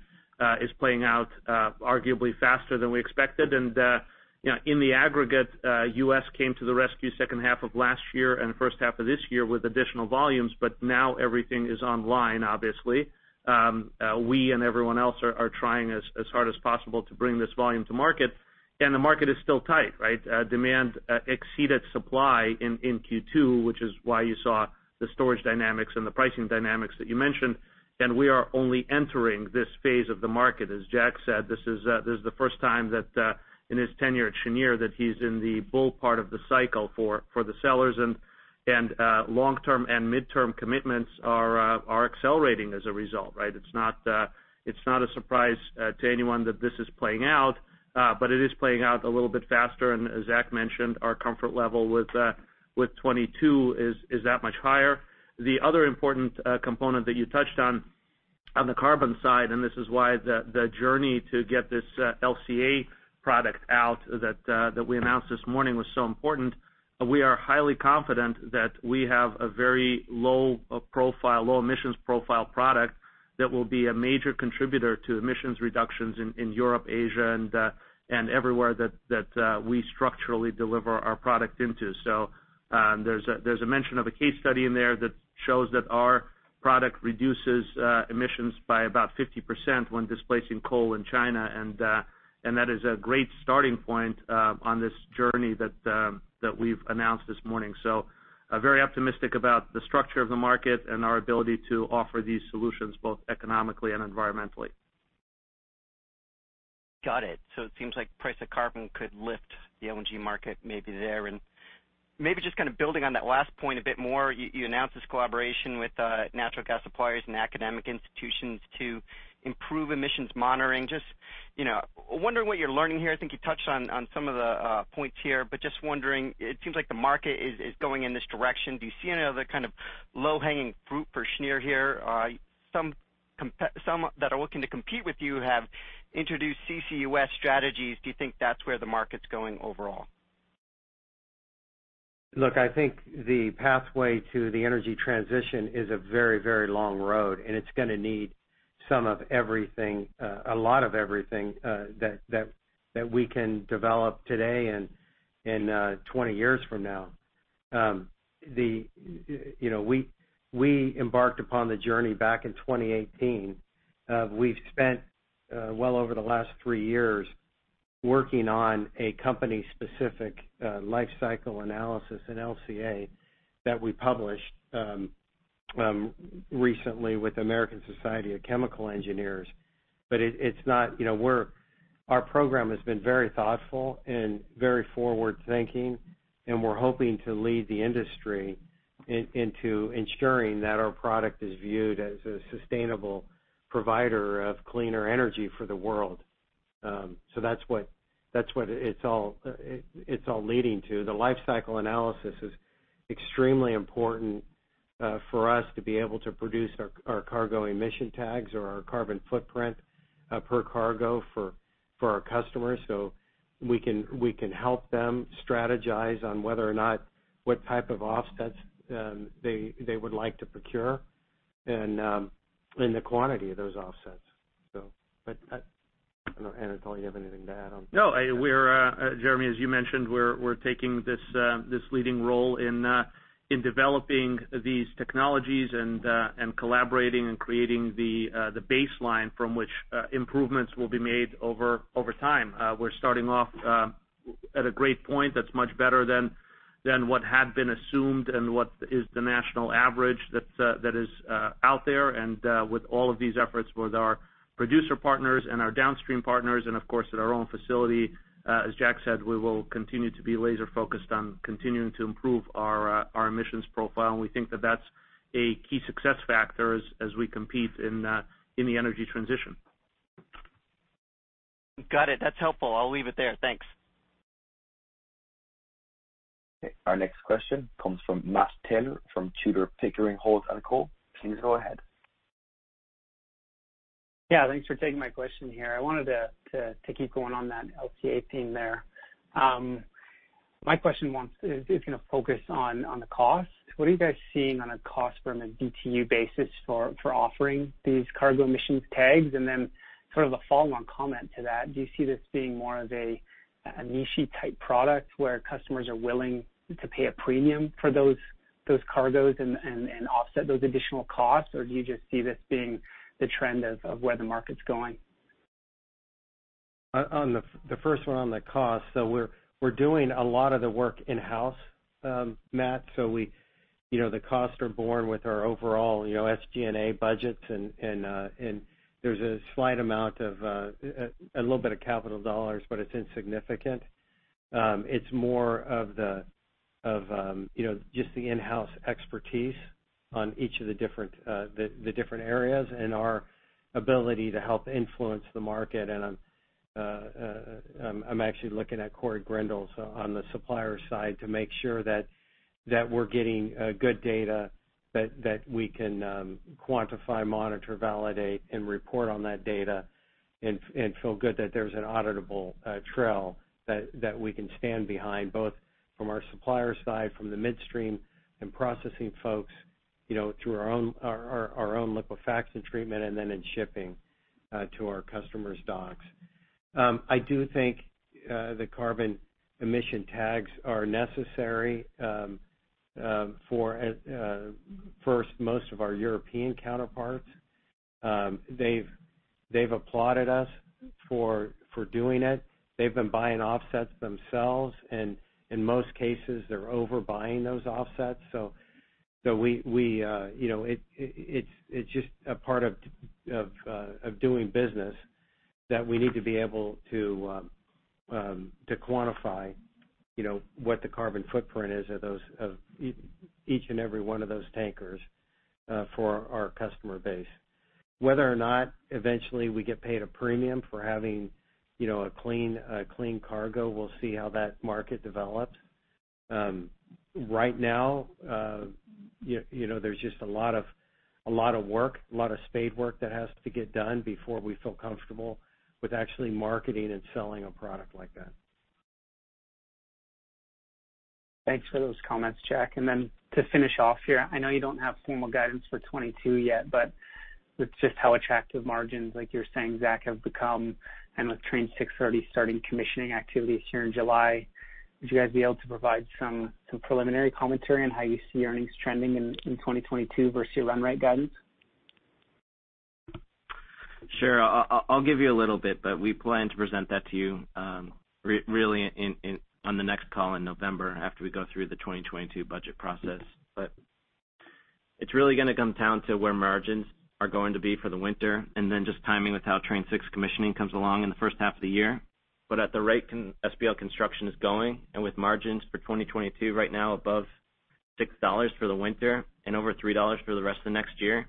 is playing out arguably faster than we expected. In the aggregate, U.S. came to the rescue second half of last year and first half of this year with additional volumes, but now everything is online, obviously. We and everyone else are trying as hard as possible to bring this volume to market, and the market is still tight, right? Demand exceeded supply in Q2, which is why you saw the storage dynamics and the pricing dynamics that you mentioned. We are only entering this phase of the market. As Jack said, this is the first time that in his tenure at Cheniere that he's in the bull part of the cycle for the sellers. Long-term and midterm commitments are accelerating as a result, right? It's not a surprise to anyone that this is playing out, but it is playing out a little bit faster, and as Jack mentioned, our comfort level with 2022 is that much higher. The other important component that you touched on the carbon side, and this is why the journey to get this LCA product out that we announced this morning was so important. We are highly confident that we have a very low emissions profile product that will be a major contributor to emissions reductions in Europe, Asia, and everywhere that we structurally deliver our product into. There's a mention of a case study in there that shows that our product reduces emissions by about 50% when displacing coal in China, and that is a great starting point on this journey that we've announced this morning. Very optimistic about the structure of the market and our ability to offer these solutions, both economically and environmentally. Got it. It seems like price of carbon could lift the LNG market maybe there. Maybe just kind of building on that last point a bit more, you announced this collaboration with natural gas suppliers and academic institutions to improve emissions monitoring. Just wondering what you're learning here. I think you touched on some of the points here, but just wondering, it seems like the market is going in this direction. Do you see any other kind of low-hanging fruit for Cheniere here? Some that are looking to compete with you have introduced CCUS strategies. Do you think that's where the market's going overall? Look, I think the pathway to the energy transition is a very, very long road, and it's going to need some of everything, a lot of everything that we can develop today and 20 years from now. We embarked upon the journey back in 2018. We've spent well over the last three years working on a company-specific life cycle analysis, an LCA, that we published recently with the American Institute of Chemical Engineers. Our program has been very thoughtful and very forward-thinking, and we're hoping to lead the industry into ensuring that our product is viewed as a sustainable provider of cleaner energy for the world. That's what it's all leading to. The life cycle analysis is extremely important for us to be able to produce our Cargo Emission Tags or our carbon footprint per cargo for our customers, so we can help them strategize on whether or not, what type of offsets they would like to procure and the quantity of those offsets. I don't know, Anatol Feygin, you have anything to add on? No. Jeremy, as you mentioned, we're taking this leading role in developing these technologies and collaborating and creating the baseline from which improvements will be made over time. We're starting off at a great point that's much better than what had been assumed and what is the national average that is out there. With all of these efforts with our producer partners and our downstream partners, and of course, at our own facility, as Jack said, we will continue to be laser-focused on continuing to improve our emissions profile, and we think that that's a key success factor as we compete in the energy transition. Got it. That's helpful. I'll leave it there. Thanks. Okay. Our next question comes from Matthew Taylor from Tudor, Pickering, Holt & Co. Please go ahead. Thanks for taking my question here. I wanted to keep going on that LCA theme there. My question is going to focus on the cost. What are you guys seeing on a cost from a BTU basis for offering these Cargo Emissions Tags? Sort of a follow-on comment to that, do you see this being more of a niche-y type product where customers are willing to pay a premium for those cargos and offset those additional costs, or do you just see this being the trend of where the market's going? On the first one on the cost, we're doing a lot of the work in-house, Matt. The costs are borne with our overall SG&A budgets and there's a little bit of capital dollars, but it's insignificant. It's more of just the in-house expertise on each of the different areas and our ability to help influence the market. I'm actually looking at Corey Grindal on the supplier side to make sure that we're getting good data that we can quantify, monitor, validate, and report on that data and feel good that there's an auditable trail that we can stand behind, both from our supplier side, from the midstream and processing folks through our own liquefaction treatment, and then in shipping to our customers' docks. I do think the carbon emission tags are necessary for, first, most of our European counterparts. They've applauded us for doing it. They've been buying offsets themselves, and in most cases, they're overbuying those offsets. It's just a part of doing business that we need to be able to quantify what the carbon footprint is of each and every 1 of those tankers for our customer base. Whether or not eventually we get paid a premium for having a clean cargo, we'll see how that market develops. There's just a lot of work, a lot of spade work that has to get done before we feel comfortable with actually marketing and selling a product like that. Thanks for those comments, Jack. Then to finish off here, I know you don't have formal guidance for 2022 yet, but with just how attractive margins, like you were saying, Zach, have become, and with Train 6 already starting commissioning activities here in July, would you guys be able to provide some preliminary commentary on how you see earnings trending in 2022 versus your run rate guidance? Sure. I'll give you a little bit. We plan to present that to you really on the next call in November after we go through the 2022 budget process. It's really going to come down to where margins are going to be for the winter, and then just timing with how Train 6 commissioning comes along in the first half of the year. At the rate SPL construction is going, and with margins for 2022 right now above $6 for the winter and over $3 for the rest of next year,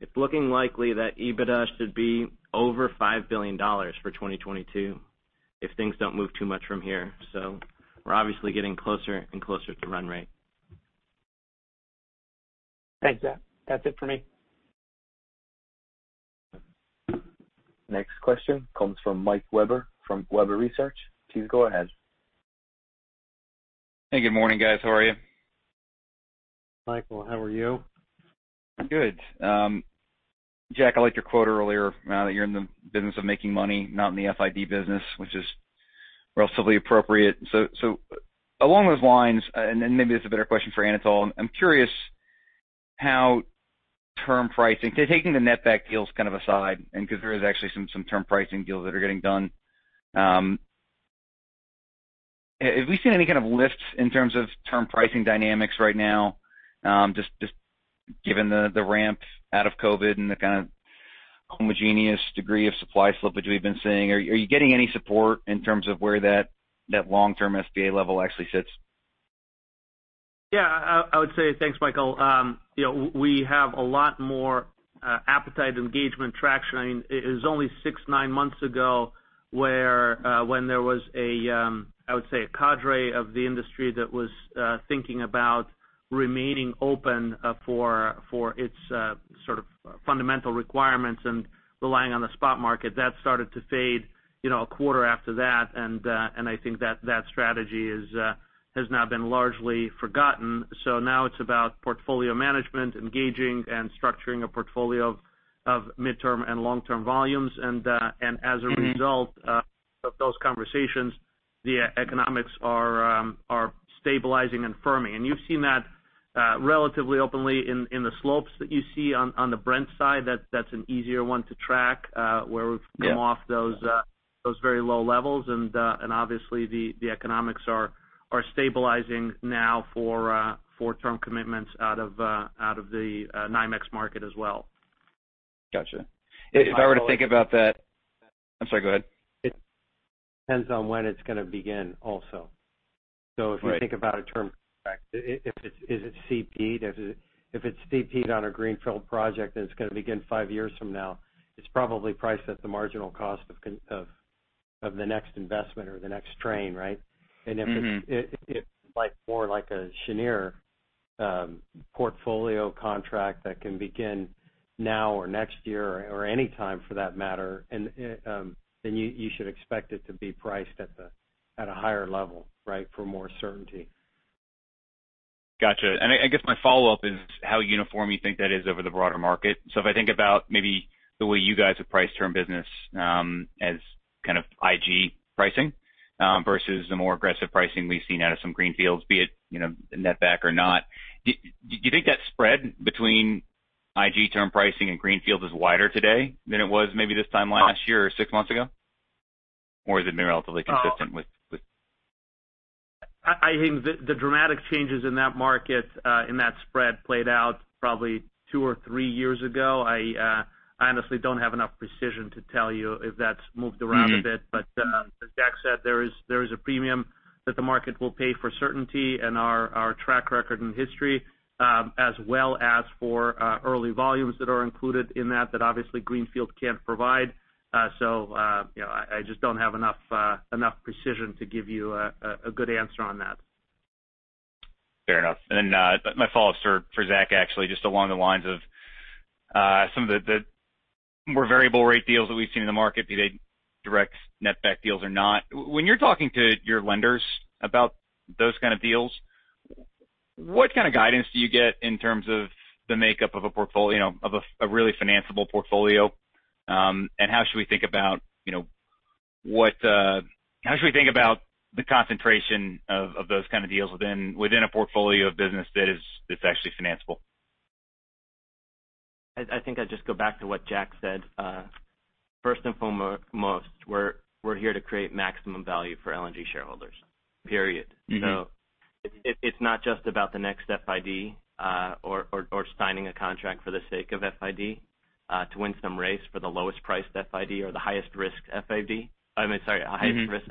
it's looking likely that EBITDA should be over $5 billion for 2022 if things don't move too much from here. We're obviously getting closer and closer to run rate. Thanks, Zach. That's it for me. Next question comes from Michael Webber from Webber Research. Please go ahead. Hey, good morning, guys. How are you? Michael, how are you? I'm good. Jack, I liked your quote earlier, that you're in the business of making money, not in the FID business, which is relatively appropriate. Along those lines, and maybe this is a better question for Anatol, I'm curious how term pricing, taking the netback deals kind of aside, and because there is actually some term pricing deals that are getting done. Have we seen any kind of lifts in terms of term pricing dynamics right now, just given the ramp out of COVID and the kind of homogeneous degree of supply slippage we've been seeing? Are you getting any support in terms of where that long-term SPA level actually sits? Yeah, I would say, thanks, Michael. We have a lot more appetite, engagement, traction. It was only six, nine months ago, when there was a, I would say, a cadre of the industry that was thinking about remaining open for its sort of fundamental requirements and relying on the spot market. That started to fade a quarter after that, and I think that strategy has now been largely forgotten. Now it's about portfolio management, engaging, and structuring a portfolio of mid-term and long-term volumes. As a result of those conversations, the economics are stabilizing and firming. You've seen that relatively openly in the slopes that you see on the Brent side. That's an easier one to track. Yeah where we've come off those very low levels. Obviously the economics are stabilizing now for term commitments out of the NYMEX market as well. Got you. If I were to think about that, I'm sorry, go ahead. It depends on when it's going to begin, also. Right. If you think about a term contract, is it CP'd? If it's CP'd on a greenfield project, and it's going to begin five years from now, it's probably priced at the marginal cost of the next investment or the next train, right? If it's more like a Cheniere portfolio contract that can begin now or next year or any time for that matter, then you should expect it to be priced at a higher level, right? For more certainty. Got you. I guess my follow-up is how uniform you think that is over the broader market. If I think about maybe the way you guys have priced term business as kind of IG pricing, versus the more aggressive pricing we've seen out of some greenfields, be it net-back or not. Do you think that spread between IG term pricing and greenfield is wider today than it was maybe this time last year or 6 months ago? Has it been relatively consistent with- I think the dramatic changes in that market, in that spread played out probably two or three years ago. I honestly don't have enough precision to tell you if that's moved around a bit. As Jack said, there is a premium that the market will pay for certainty in our track record and history, as well as for early volumes that are included in that obviously greenfield can't provide. I just don't have enough precision to give you a good answer on that. Fair enough. My follow-up is for Jack, actually, just along the lines of some of the more variable rate deals that we've seen in the market, be they direct net-back deals or not. When you're talking to your lenders about those kind of deals, what kind of guidance do you get in terms of the makeup of a really financeable portfolio? How should we think about the concentration of those kind of deals within a portfolio of business that's actually financeable? I think I'd just go back to what Jack said. First and foremost, we're here to create maximum value for LNG shareholders, period. It's not just about the next FID or signing a contract for the sake of FID, to win some race for the lowest priced FID or the highest risk FID. I mean, sorry, highest risk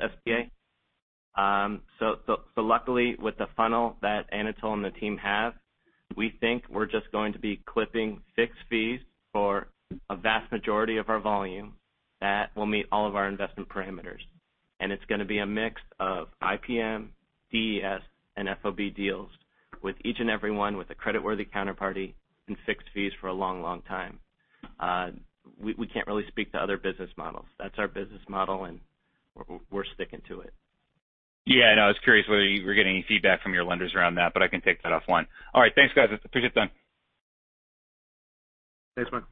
SPA. Luckily, with the funnel that Anatol and the team have, we think we're just going to be clipping fixed fees for a vast majority of our volume that will meet all of our investment parameters. It's going to be a mix of IPM, DES, and FOB deals with each and every one with a creditworthy counterparty and fixed fees for a long time. We can't really speak to other business models. That's our business model, and we're sticking to it. Yeah, no, I was curious whether you were getting any feedback from your lenders around that, but I can take that offline. All right, thanks guys. Appreciate the time. Thanks, man.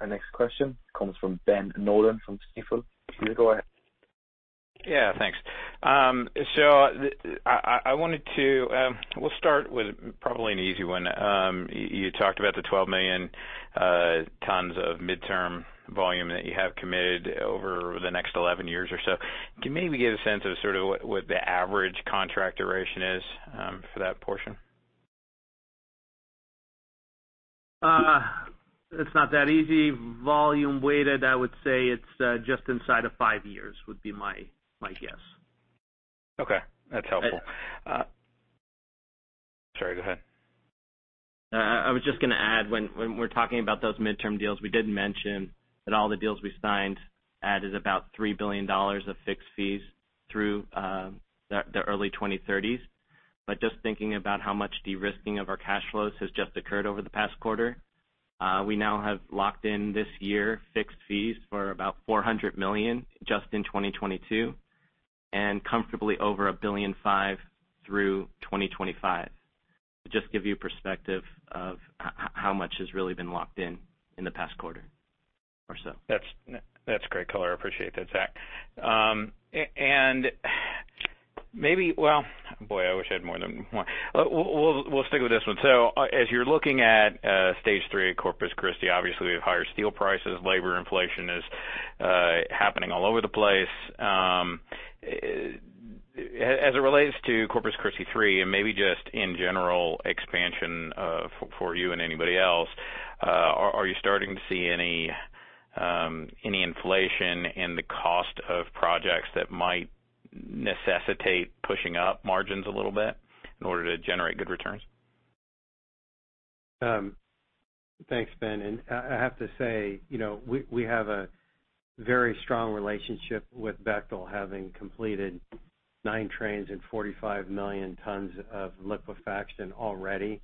Our next question comes from Ben Nolan from Stifel. You can go ahead. Thanks. We'll start with probably an easy one. You talked about the 12 million tons of midterm volume that you have committed over the next 11 years or so. Can you maybe give a sense of sort of what the average contract duration is for that portion? It's not that easy. Volume weighted, I would say it's just inside of five years, would be my guess. Okay, that's helpful. And Sorry, go ahead. I was just going to add, when we're talking about those midterm deals, we didn't mention that all the deals we signed added about $3 billion of fixed fees through the early 2030s. Just thinking about how much de-risking of our cash flows has just occurred over the past quarter. We now have locked in this year fixed fees for about $400 million just in 2022. Comfortably over $1.5 billion through 2025. To just give you perspective of how much has really been locked in in the past quarter or so. That's great color. I appreciate that, Zach. Maybe, well, boy, I wish I had more than one. We'll stick with this one. As you're looking at Stage three at Corpus Christi, obviously, we have higher steel prices. Labor inflation is happening all over the place. As it relates to Corpus Christi Stage three and maybe just in general expansion for you and anybody else, are you starting to see any inflation in the cost of projects that might necessitate pushing up margins a little bit in order to generate good returns? Thanks, Ben. I have to say, we have a very strong relationship with Bechtel, having completed nine trains and 45 million tons of liquefaction already.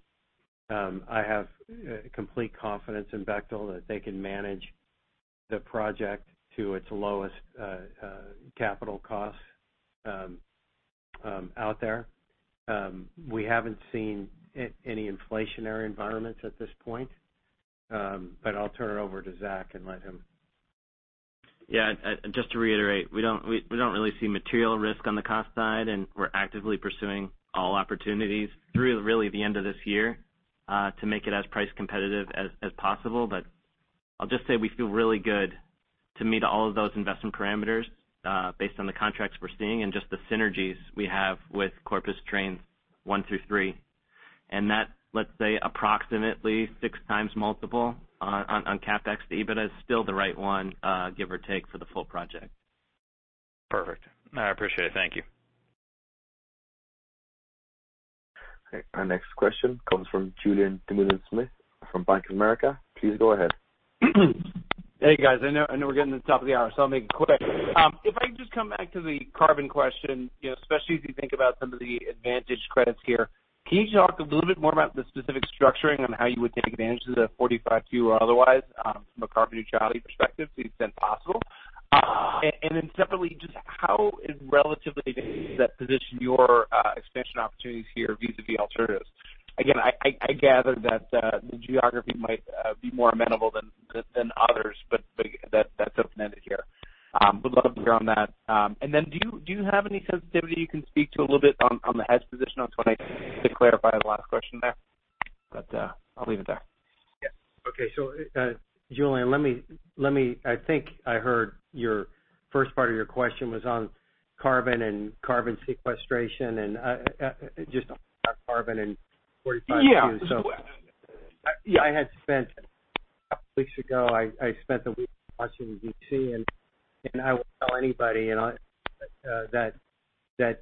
I have complete confidence in Bechtel that they can manage the project to its lowest capital costs out there. We haven't seen any inflationary environments at this point. I'll turn it over to Zach and let him Yeah. Just to reiterate, we don't really see material risk on the cost side, and we're actively pursuing all opportunities through really the end of this year to make it as price competitive as possible. I'll just say we feel really good to meet all of those investment parameters based on the contracts we're seeing and just the synergies we have with Corpus Trains one through three. That, let's say approximately 6x multiple on CapEx to EBITDA is still the right one, give or take, for the full project. Perfect. I appreciate it. Thank you. Okay, our next question comes from Julien Dumoulin-Smith from Bank of America. Please go ahead. Hey, guys. I know we're getting to the top of the hour, so I'll make it quick. If I could just come back to the carbon question, especially as you think about some of the advantage credits here. Can you talk a little bit more about the specific structuring on how you would take advantage of the 45Q or otherwise from a carbon neutrality perspective to the extent possible? Separately, just how relatively that position your expansion opportunities here vis-à-vis alternatives? Again, I gather that the geography might be more amenable than others, but that's open-ended here. Would love to hear on that. Do you have any sensitivity you can speak to a little bit on the hedge position on 20 to clarify the last question there, but I'll leave it there. Yeah. Okay. Julien, I think I heard your first part of your question was on carbon and carbon sequestration and just carbon and 45Q. Yeah. A couple weeks ago, I spent the week in Washington, D.C., I will tell anybody that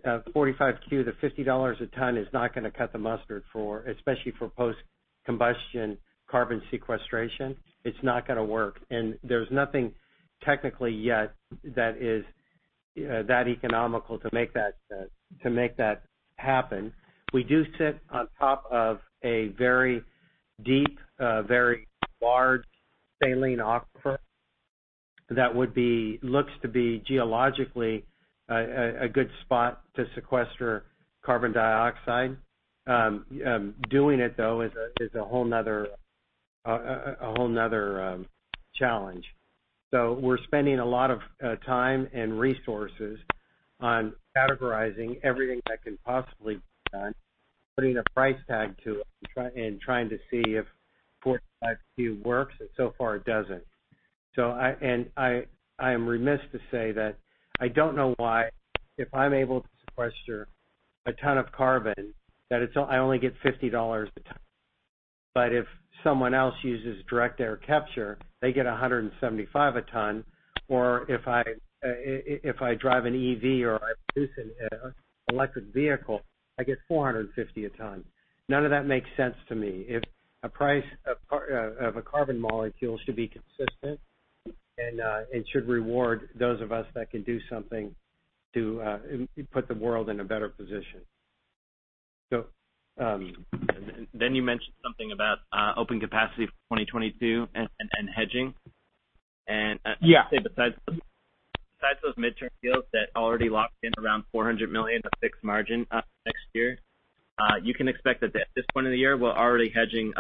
45Q, the $50 a ton is not gonna cut the mustard, especially for post-combustion carbon sequestration. It's not gonna work. There's nothing technically yet that is that economical to make that happen. We do sit on top of a very deep, very large saline aquifer that looks to be geologically a good spot to sequester carbon dioxide. Doing it, though, is a whole another challenge. We're spending a lot of time and resources on categorizing everything that can possibly be done, putting a price tag to it, and trying to see if 45Q works, and so far it doesn't. I am remiss to say that I don't know why if I'm able to sequester a ton of carbon, that I only get $50 a ton. If someone else uses direct air capture, they get $175 a ton. If I drive an EV or I produce an electric vehicle, I get $450 a ton. None of that makes sense to me. If a price of a carbon molecule should be consistent and it should reward those of us that can do something to put the world in a better position. You mentioned something about open capacity for 2022 and hedging. Yeah. Besides those midterm deals that already locked in around $400 million of fixed margin next year, you can expect that at this point of the year, we're already hedging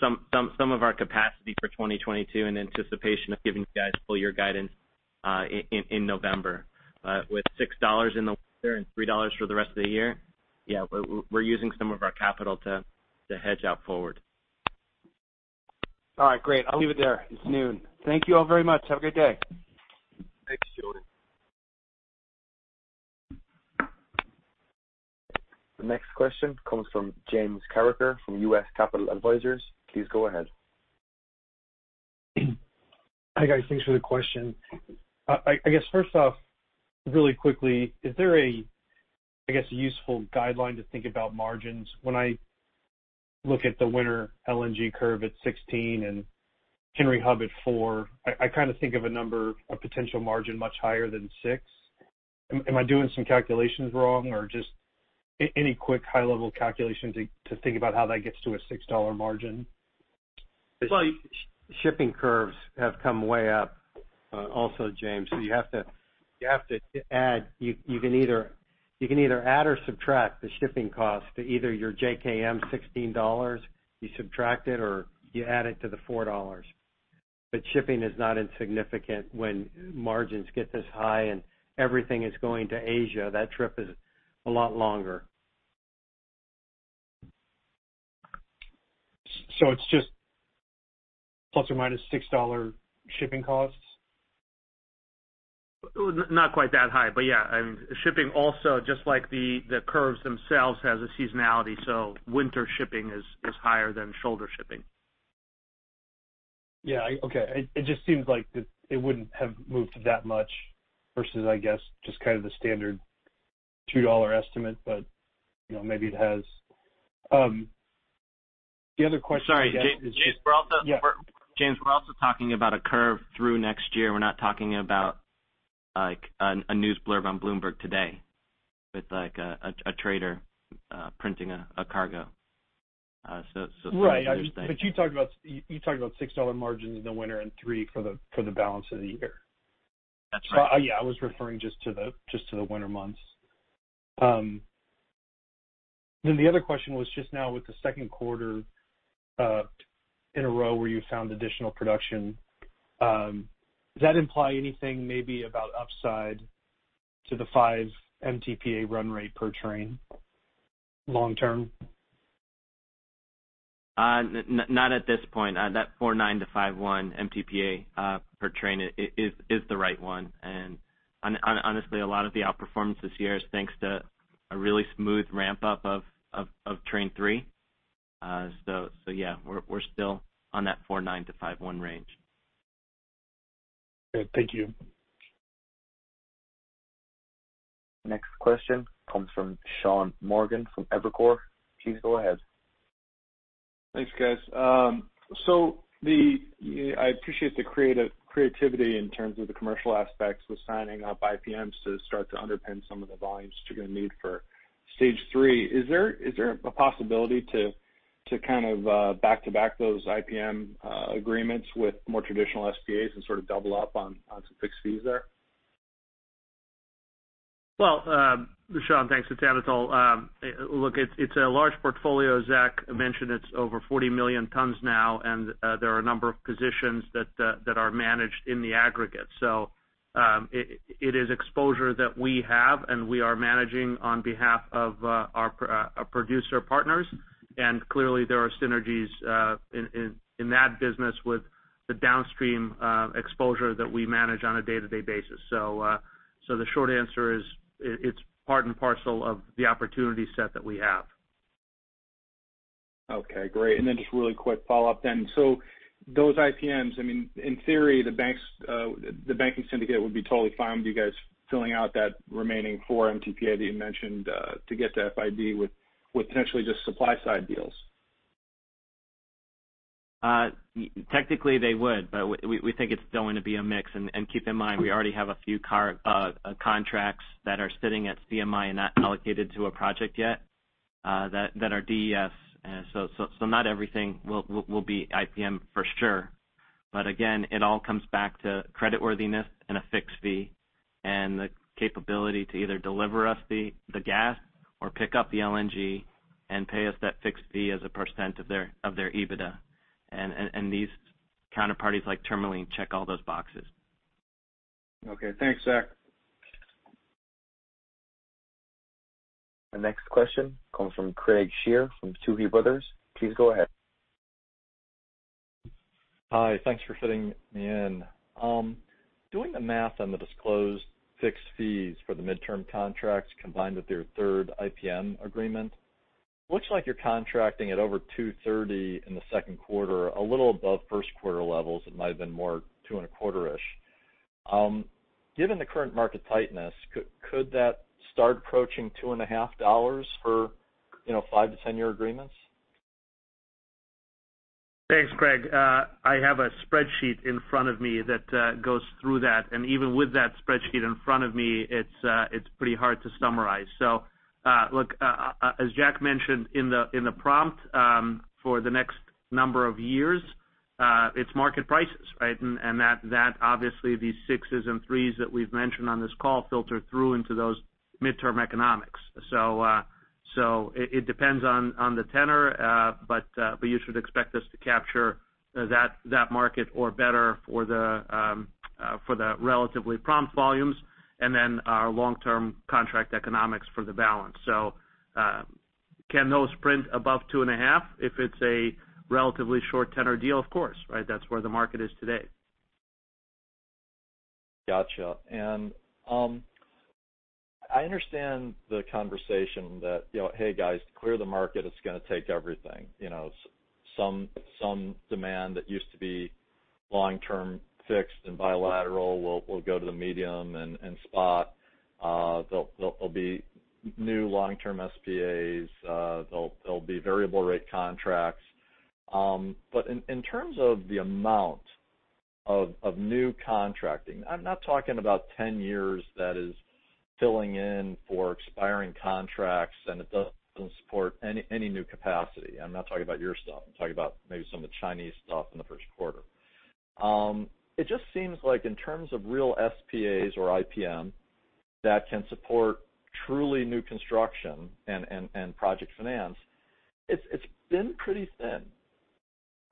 some of our capacity for 2022 in anticipation of giving you guys full-year guidance in November. With $6 in the winter and $3 for the rest of the year, yeah, we're using some of our capital to hedge out forward. All right, great. I'll leave it there. It's noon. Thank you all very much. Have a great day. Thanks, Julien. The next question comes from James Carreker from U.S. Capital Advisors. Please go ahead. Hi, guys. Thanks for the question. I guess first off, really quickly, is there a useful guideline to think about margins? When I look at the winter LNG curve at 16 and Henry Hub at four, I kind of think of a number, a potential margin much higher than six. Am I doing some calculations wrong? Just any quick high-level calculations to think about how that gets to a $6 margin? Shipping curves have come way up also, James. You have to add. You can either add or subtract the shipping cost to either your JKM $16, you subtract it or you add it to the $4. Shipping is not insignificant when margins get this high and everything is going to Asia. That trip is a lot longer. It's just ±$6 shipping costs? Not quite that high. Yeah. Shipping also, just like the curves themselves, has a seasonality. Winter shipping is higher than shoulder shipping. Yeah. Okay. It just seems like it wouldn't have moved that much versus, I guess, just the standard $2 estimate. Maybe it has. Sorry, James. Yeah. James, we're also talking about a curve through next year. We're not talking about a news blurb on Bloomberg today with a trader printing a cargo. Right. You talked about $6 margins in the winter and $3 for the balance of the year. That's right. Yeah, I was referring just to the winter months. The other question was just now with the second quarter in a row where you found additional production. Does that imply anything maybe about upside to the five MTPA run rate per train long term? Not at this point. That 4.9-5.1 MTPA per train is the right one. Honestly, a lot of the outperformance this year is thanks to a really smooth ramp-up of train three. Yeah, we're still on that 4.9-5.1 range. Okay, thank you. Next question comes from Sean Morgan from Evercore. Please go ahead. Thanks, guys. I appreciate the creativity in terms of the commercial aspects with signing up IPMs to start to underpin some of the volumes that you're going to need for stage three. Is there a possibility to kind of back to back those IPM agreements with more traditional SPAs and sort of double up on some fixed fees there? Well, Sean, thanks. It's Anatol Feygin. Look, it's a large portfolio. Zach Davis mentioned it's over 40 million tons now, and there are a number of positions that are managed in the aggregate. It is exposure that we have, and we are managing on behalf of our producer partners. Clearly, there are synergies in that business with the downstream exposure that we manage on a day-to-day basis. The short answer is it's part and parcel of the opportunity set that we have. Okay, great. Just really quick follow up. Those IPMs, in theory, the banking syndicate would be totally fine with you guys filling out that remaining 4 MTPA that you mentioned to get to FID with potentially just supply side deals. Technically they would, but we think it's going to be a mix. Keep in mind, we already have a few contracts that are sitting at CMI and not allocated to a project yet that are DES. Not everything will be IPM for sure. Again, it all comes back to creditworthiness and a fixed fee and the capability to either deliver us the gas or pick up the LNG and pay us that fixed fee as a % of their EBITDA. These counterparties like Tourmaline Oil Corp. check all those boxes. Okay, thanks Zach. The next question comes from Craig Shere from Tuohy Brothers. Please go ahead. Hi. Thanks for fitting me in. Doing the math on the disclosed fixed fees for the midterm contracts combined with your third IPM agreement, looks like you're contracting at over $230 in the second quarter, a little above first quarter levels. It might've been more two and a quarter-ish. Given the current market tightness, could that start approaching $2.5 for 5-10 year agreements? Thanks, Craig. I have a spreadsheet in front of me that goes through that, and even with that spreadsheet in front of me, it's pretty hard to summarize. Look, as Jack mentioned in the prompt, for the next number of years, it's market prices, right? That obviously these sixes and threes that we've mentioned on this call filter through into those midterm economics. It depends on the tenor, but you should expect us to capture that market or better for the relatively prompt volumes and then our long-term contract economics for the balance. Can those print above two and a half? If it's a relatively short tenor deal, of course, right? That's where the market is today. Got you. I understand the conversation that, "Hey, guys, to clear the market, it's going to take everything." Some demand that used to be long-term fixed and bilateral will go to the medium and spot. There'll be new long-term SPAs. There'll be variable rate contracts. In terms of the amount of new contracting. I'm not talking about 10 years that is filling in for expiring contracts and it doesn't support any new capacity. I'm not talking about your stuff. I'm talking about maybe some of the Chinese stuff in the first quarter. It just seems like in terms of real SPAs or IPM that can support truly new construction and project finance, it's been pretty thin.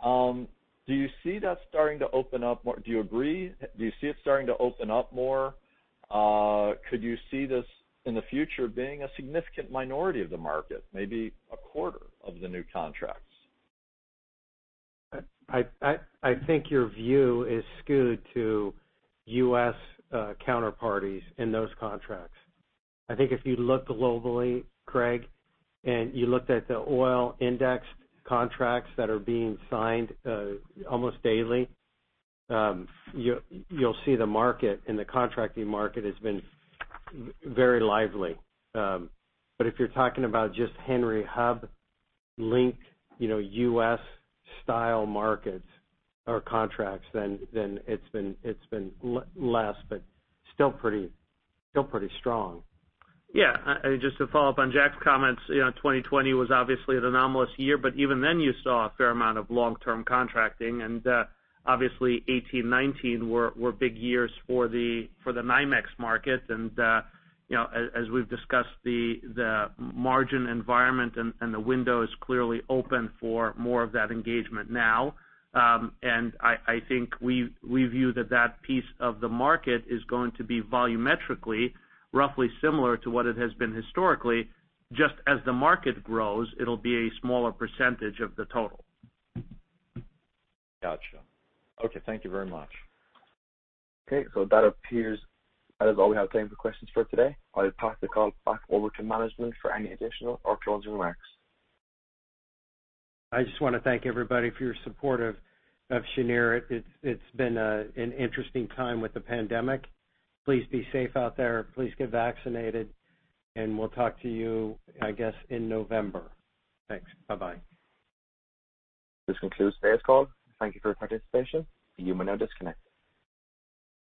Do you see that starting to open up more? Do you agree? Do you see it starting to open up more? Could you see this in the future being a significant minority of the market, maybe a quarter of the new contracts? I think your view is skewed to U.S. counterparties in those contracts. I think if you looked globally, Craig, and you looked at the oil-indexed contracts that are being signed almost daily, you'll see the market, and the contracting market has been very lively. If you're talking about just Henry Hub-linked U.S.-style markets or contracts, then it's been less, but still pretty strong. Yeah. Just to follow up on Jack's comments, 2020 was obviously an anomalous year, even then you saw a fair amount of long-term contracting, and obviously 2018, 2019 were big years for the NYMEX market. As we've discussed, the margin environment and the window is clearly open for more of that engagement now. I think we view that piece of the market is going to be volumetrically roughly similar to what it has been historically, just as the market grows, it'll be a smaller percentage of the total. Got you. Okay. Thank you very much. Okay, that appears that is all we have time for questions for today. I'll pass the call back over to management for any additional or closing remarks. I just want to thank everybody for your support of Cheniere. It's been an interesting time with the pandemic. Please be safe out there. Please get vaccinated, and we'll talk to you, I guess, in November. Thanks. Bye-bye. This concludes today's call. Thank you for your participation. You may now disconnect.